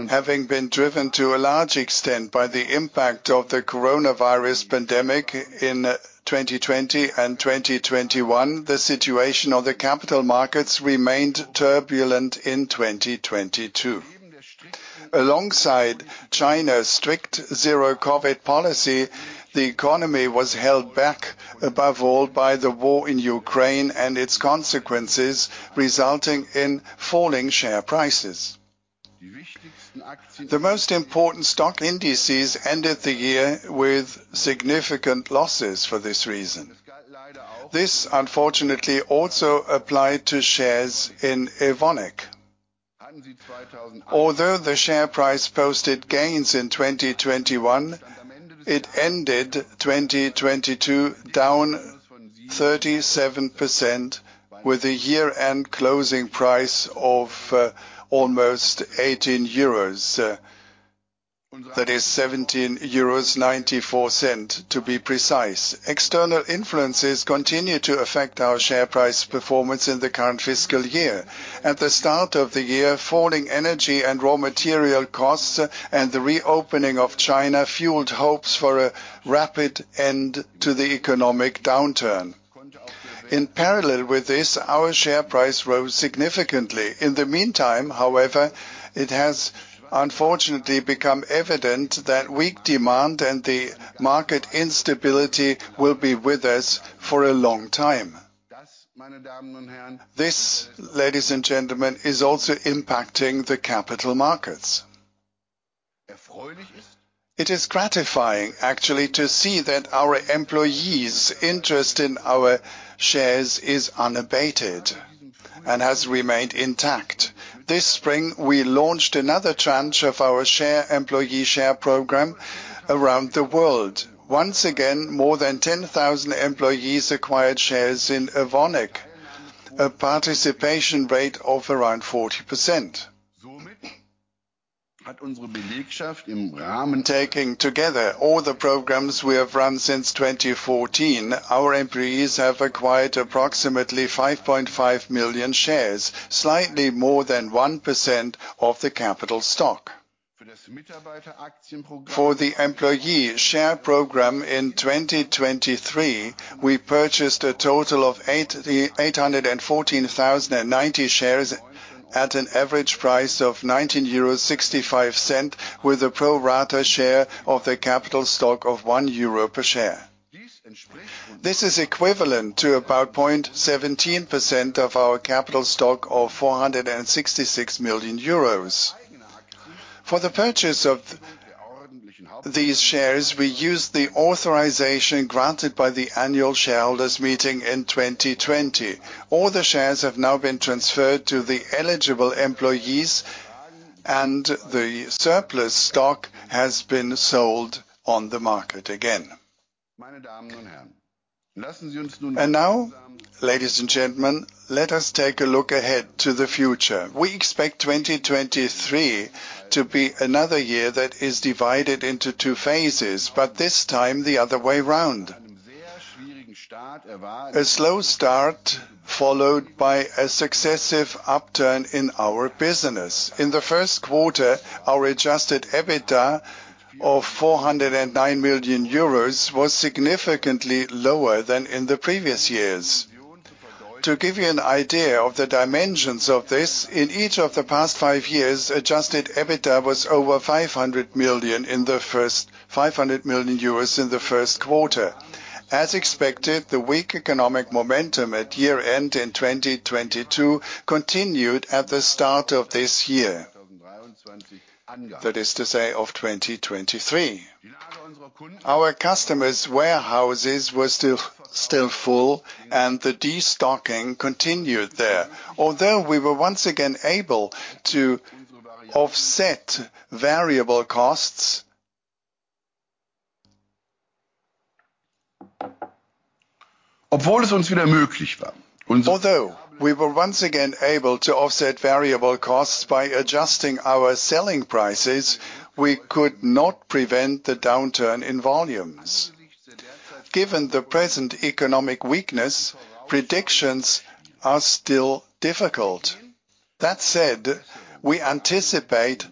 S2: Having been driven to a large extent by the impact of the coronavirus pandemic in 2020 and 2021, the situation of the capital markets remained turbulent in 2022. Alongside China's strict zero COVID policy, the economy was held back, above all, by the war in Ukraine and its consequences, resulting in falling share prices. The most important stock indices ended the year with significant losses for this reason. This, unfortunately, also applied to shares in Evonik. Although the share price posted gains in 2021, it ended 2022 down 37% with a year-end closing price of almost 18 euros. That is 17.94 euros, to be precise. External influences continue to affect our share price performance in the current fiscal year. At the start of the year, falling energy and raw material costs, and the reopening of China, fueled hopes for a rapid end to the economic downturn. In parallel with this, our share price rose significantly. In the meantime, however, it has unfortunately become evident that weak demand and the market instability will be with us for a long time. This, ladies and gentlemen, is also impacting the capital markets. It is gratifying, actually, to see that our employees' interest in our shares is unabated and has remained intact. This spring, we launched another tranche of our employee share program around the world. Once again, more than 10,000 employees acquired shares in Evonik, a participation rate of around 40%. Taking together all the programs we have run since 2014, our employees have acquired approximately 5.5 million shares, slightly more than 1% of the capital stock. For the employee share program in 2023, we purchased a total of 814,090 shares at an average price of 19.65 euro, with a pro rata share of the capital stock of 1 euro per share. This is equivalent to about 0.17% of our capital stock of 466 million euros. For the purchase of these shares, we used the authorization granted by the annual shareholders meeting in 2020. All the shares have now been transferred to the eligible employees, the surplus stock has been sold on the market again. Now, ladies and gentlemen, let us take a look ahead to the future. We expect 2023 to be another year that is divided into two phases, this time, the other way around. A slow start, followed by a successive upturn in our business. In the first quarter, our adjusted EBITDA of 409 million euros was significantly lower than in the previous years. To give you an idea of the dimensions of this, in each of the past five years, adjusted EBITDA was over 500 million in the first quarter. As expected, the weak economic momentum at year-end in 2022 continued at the start of this year. That is to say, of 2023. Our customers' warehouses were still full, and the destocking continued there. Although we were once again able to offset variable costs by adjusting our selling prices, we could not prevent the downturn in volumes. Given the present economic weakness, predictions are still difficult. That said, we anticipate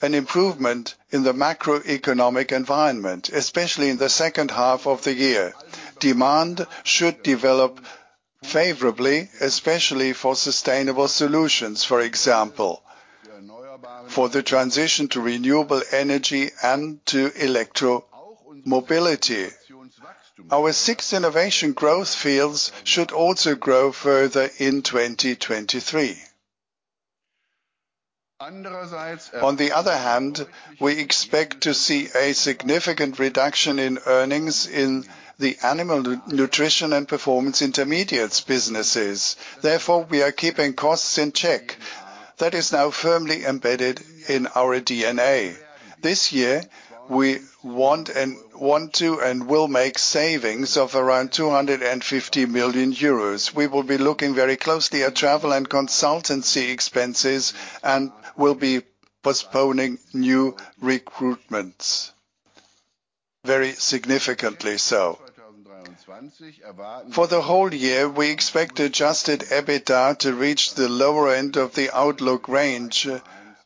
S2: an improvement in the macroeconomic environment, especially in the second half of the year. Demand should develop favorably, especially for sustainable solutions. For example, for the transition to renewable energy and to electro mobility. Our sixth innovation growth fields should also grow further in 2023. On the other hand, we expect to see a significant reduction in earnings in the animal nutrition and Performance Intermediates businesses. Therefore, we are keeping costs in check. That is now firmly embedded in our DNA. This year, we want to and will make savings of around 250 million euros. We will be looking very closely at travel and consultancy expenses, postponing new recruitments, very significantly so. For the whole year, we expect adjusted EBITDA to reach the lower end of the outlook range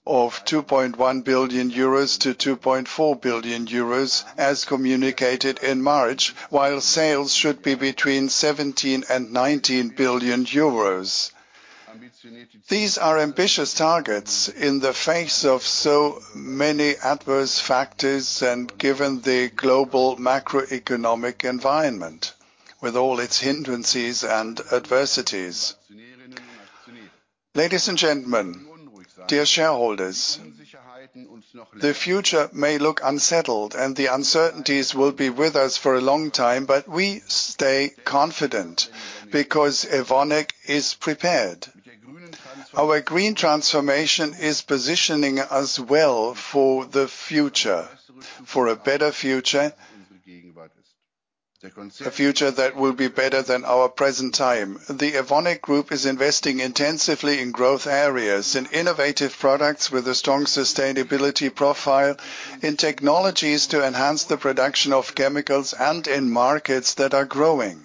S2: of 2.1 billion-2.4 billion euros, as communicated in March, while sales should be between 17 billion and 19 billion euros. These are ambitious targets in the face of so many adverse factors and given the global macroeconomic environment, with all its hindrances and adversities. Ladies and gentlemen, dear shareholders, the future may look unsettled, the uncertainties will be with us for a long time, we stay confident because Evonik is prepared. Our green transformation is positioning us well for the future, for a better future, a future that will be better than our present time. The Evonik Group is investing intensively in growth areas, in innovative products with a strong sustainability profile, in technologies to enhance the production of chemicals, and in markets that are growing.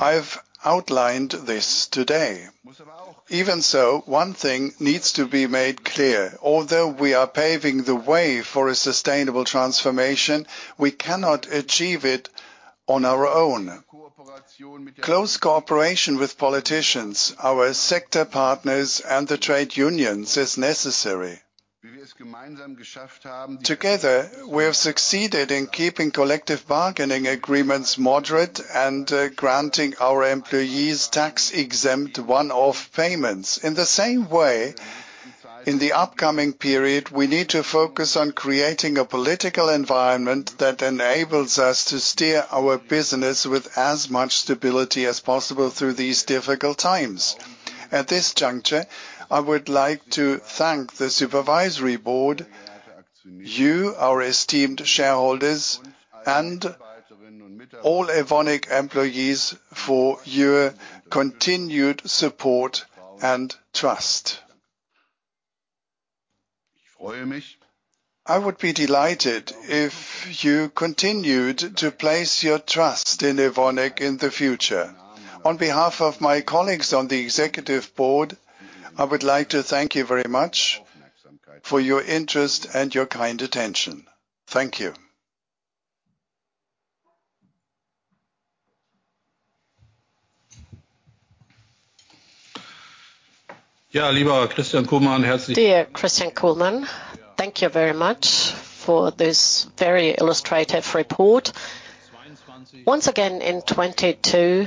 S2: I've outlined this today. Even so, one thing needs to be made clear. Although we are paving the way for a sustainable transformation, we cannot achieve it on our own. Close cooperation with politicians, our sector partners, and the trade unions is necessary. Together, we have succeeded in keeping collective bargaining agreements moderate and granting our employees tax-exempt one-off payments. In the same way, in the upcoming period, we need to focus on creating a political environment that enables us to steer our business with as much stability as possible through these difficult times. At this juncture, I would like to thank the supervisory board, you, our esteemed shareholders, and all Evonik employees for your continued support and trust. I would be delighted if you continued to place your trust in Evonik in the future. On behalf of my colleagues on the executive board, I would like to thank you very much for your interest and your kind attention. Thank you.
S1: Yeah, Christian Kullmann- Dear Christian Kullmann, thank you very much for this very illustrative report. Once again, in 2022,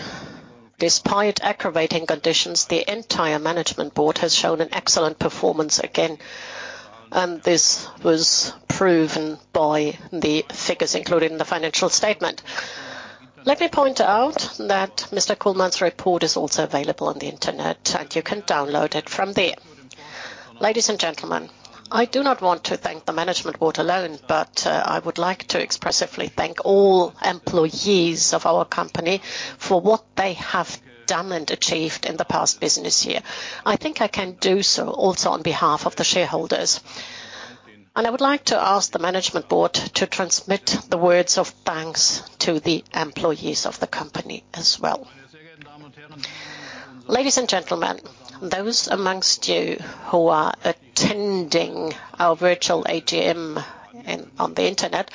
S1: despite aggravating conditions, the entire management board has shown an excellent performance again, and this was proven by the figures included in the financial statement. Let me point out that Mr. Kullmann's report is also available on the Internet, and you can download it from there. Ladies and gentlemen, I do not want to thank the management board alone, but I would like to expressively thank all employees of our company for what they have done and achieved in the past business year. I think I can do so also on behalf of the shareholders. I would like to ask the management board to transmit the words of thanks to the employees of the company as well. Ladies and gentlemen, those amongst you who are attending our virtual AGM on the Internet,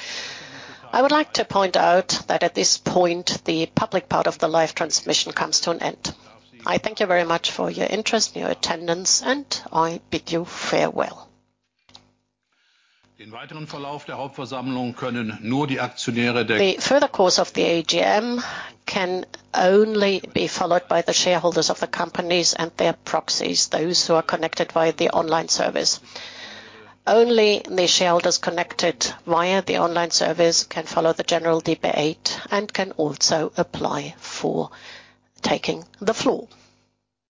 S1: I would like to point out that at this point, the public part of the live transmission comes to an end. I thank you very much for your interest and your attendance. I bid you farewell.
S2: The further course of the AGM can only be followed by the shareholders of the companies and their proxies, those who are connected via the online service. Only the shareholders connected via the online service can follow the general debate and can also apply for taking the floor.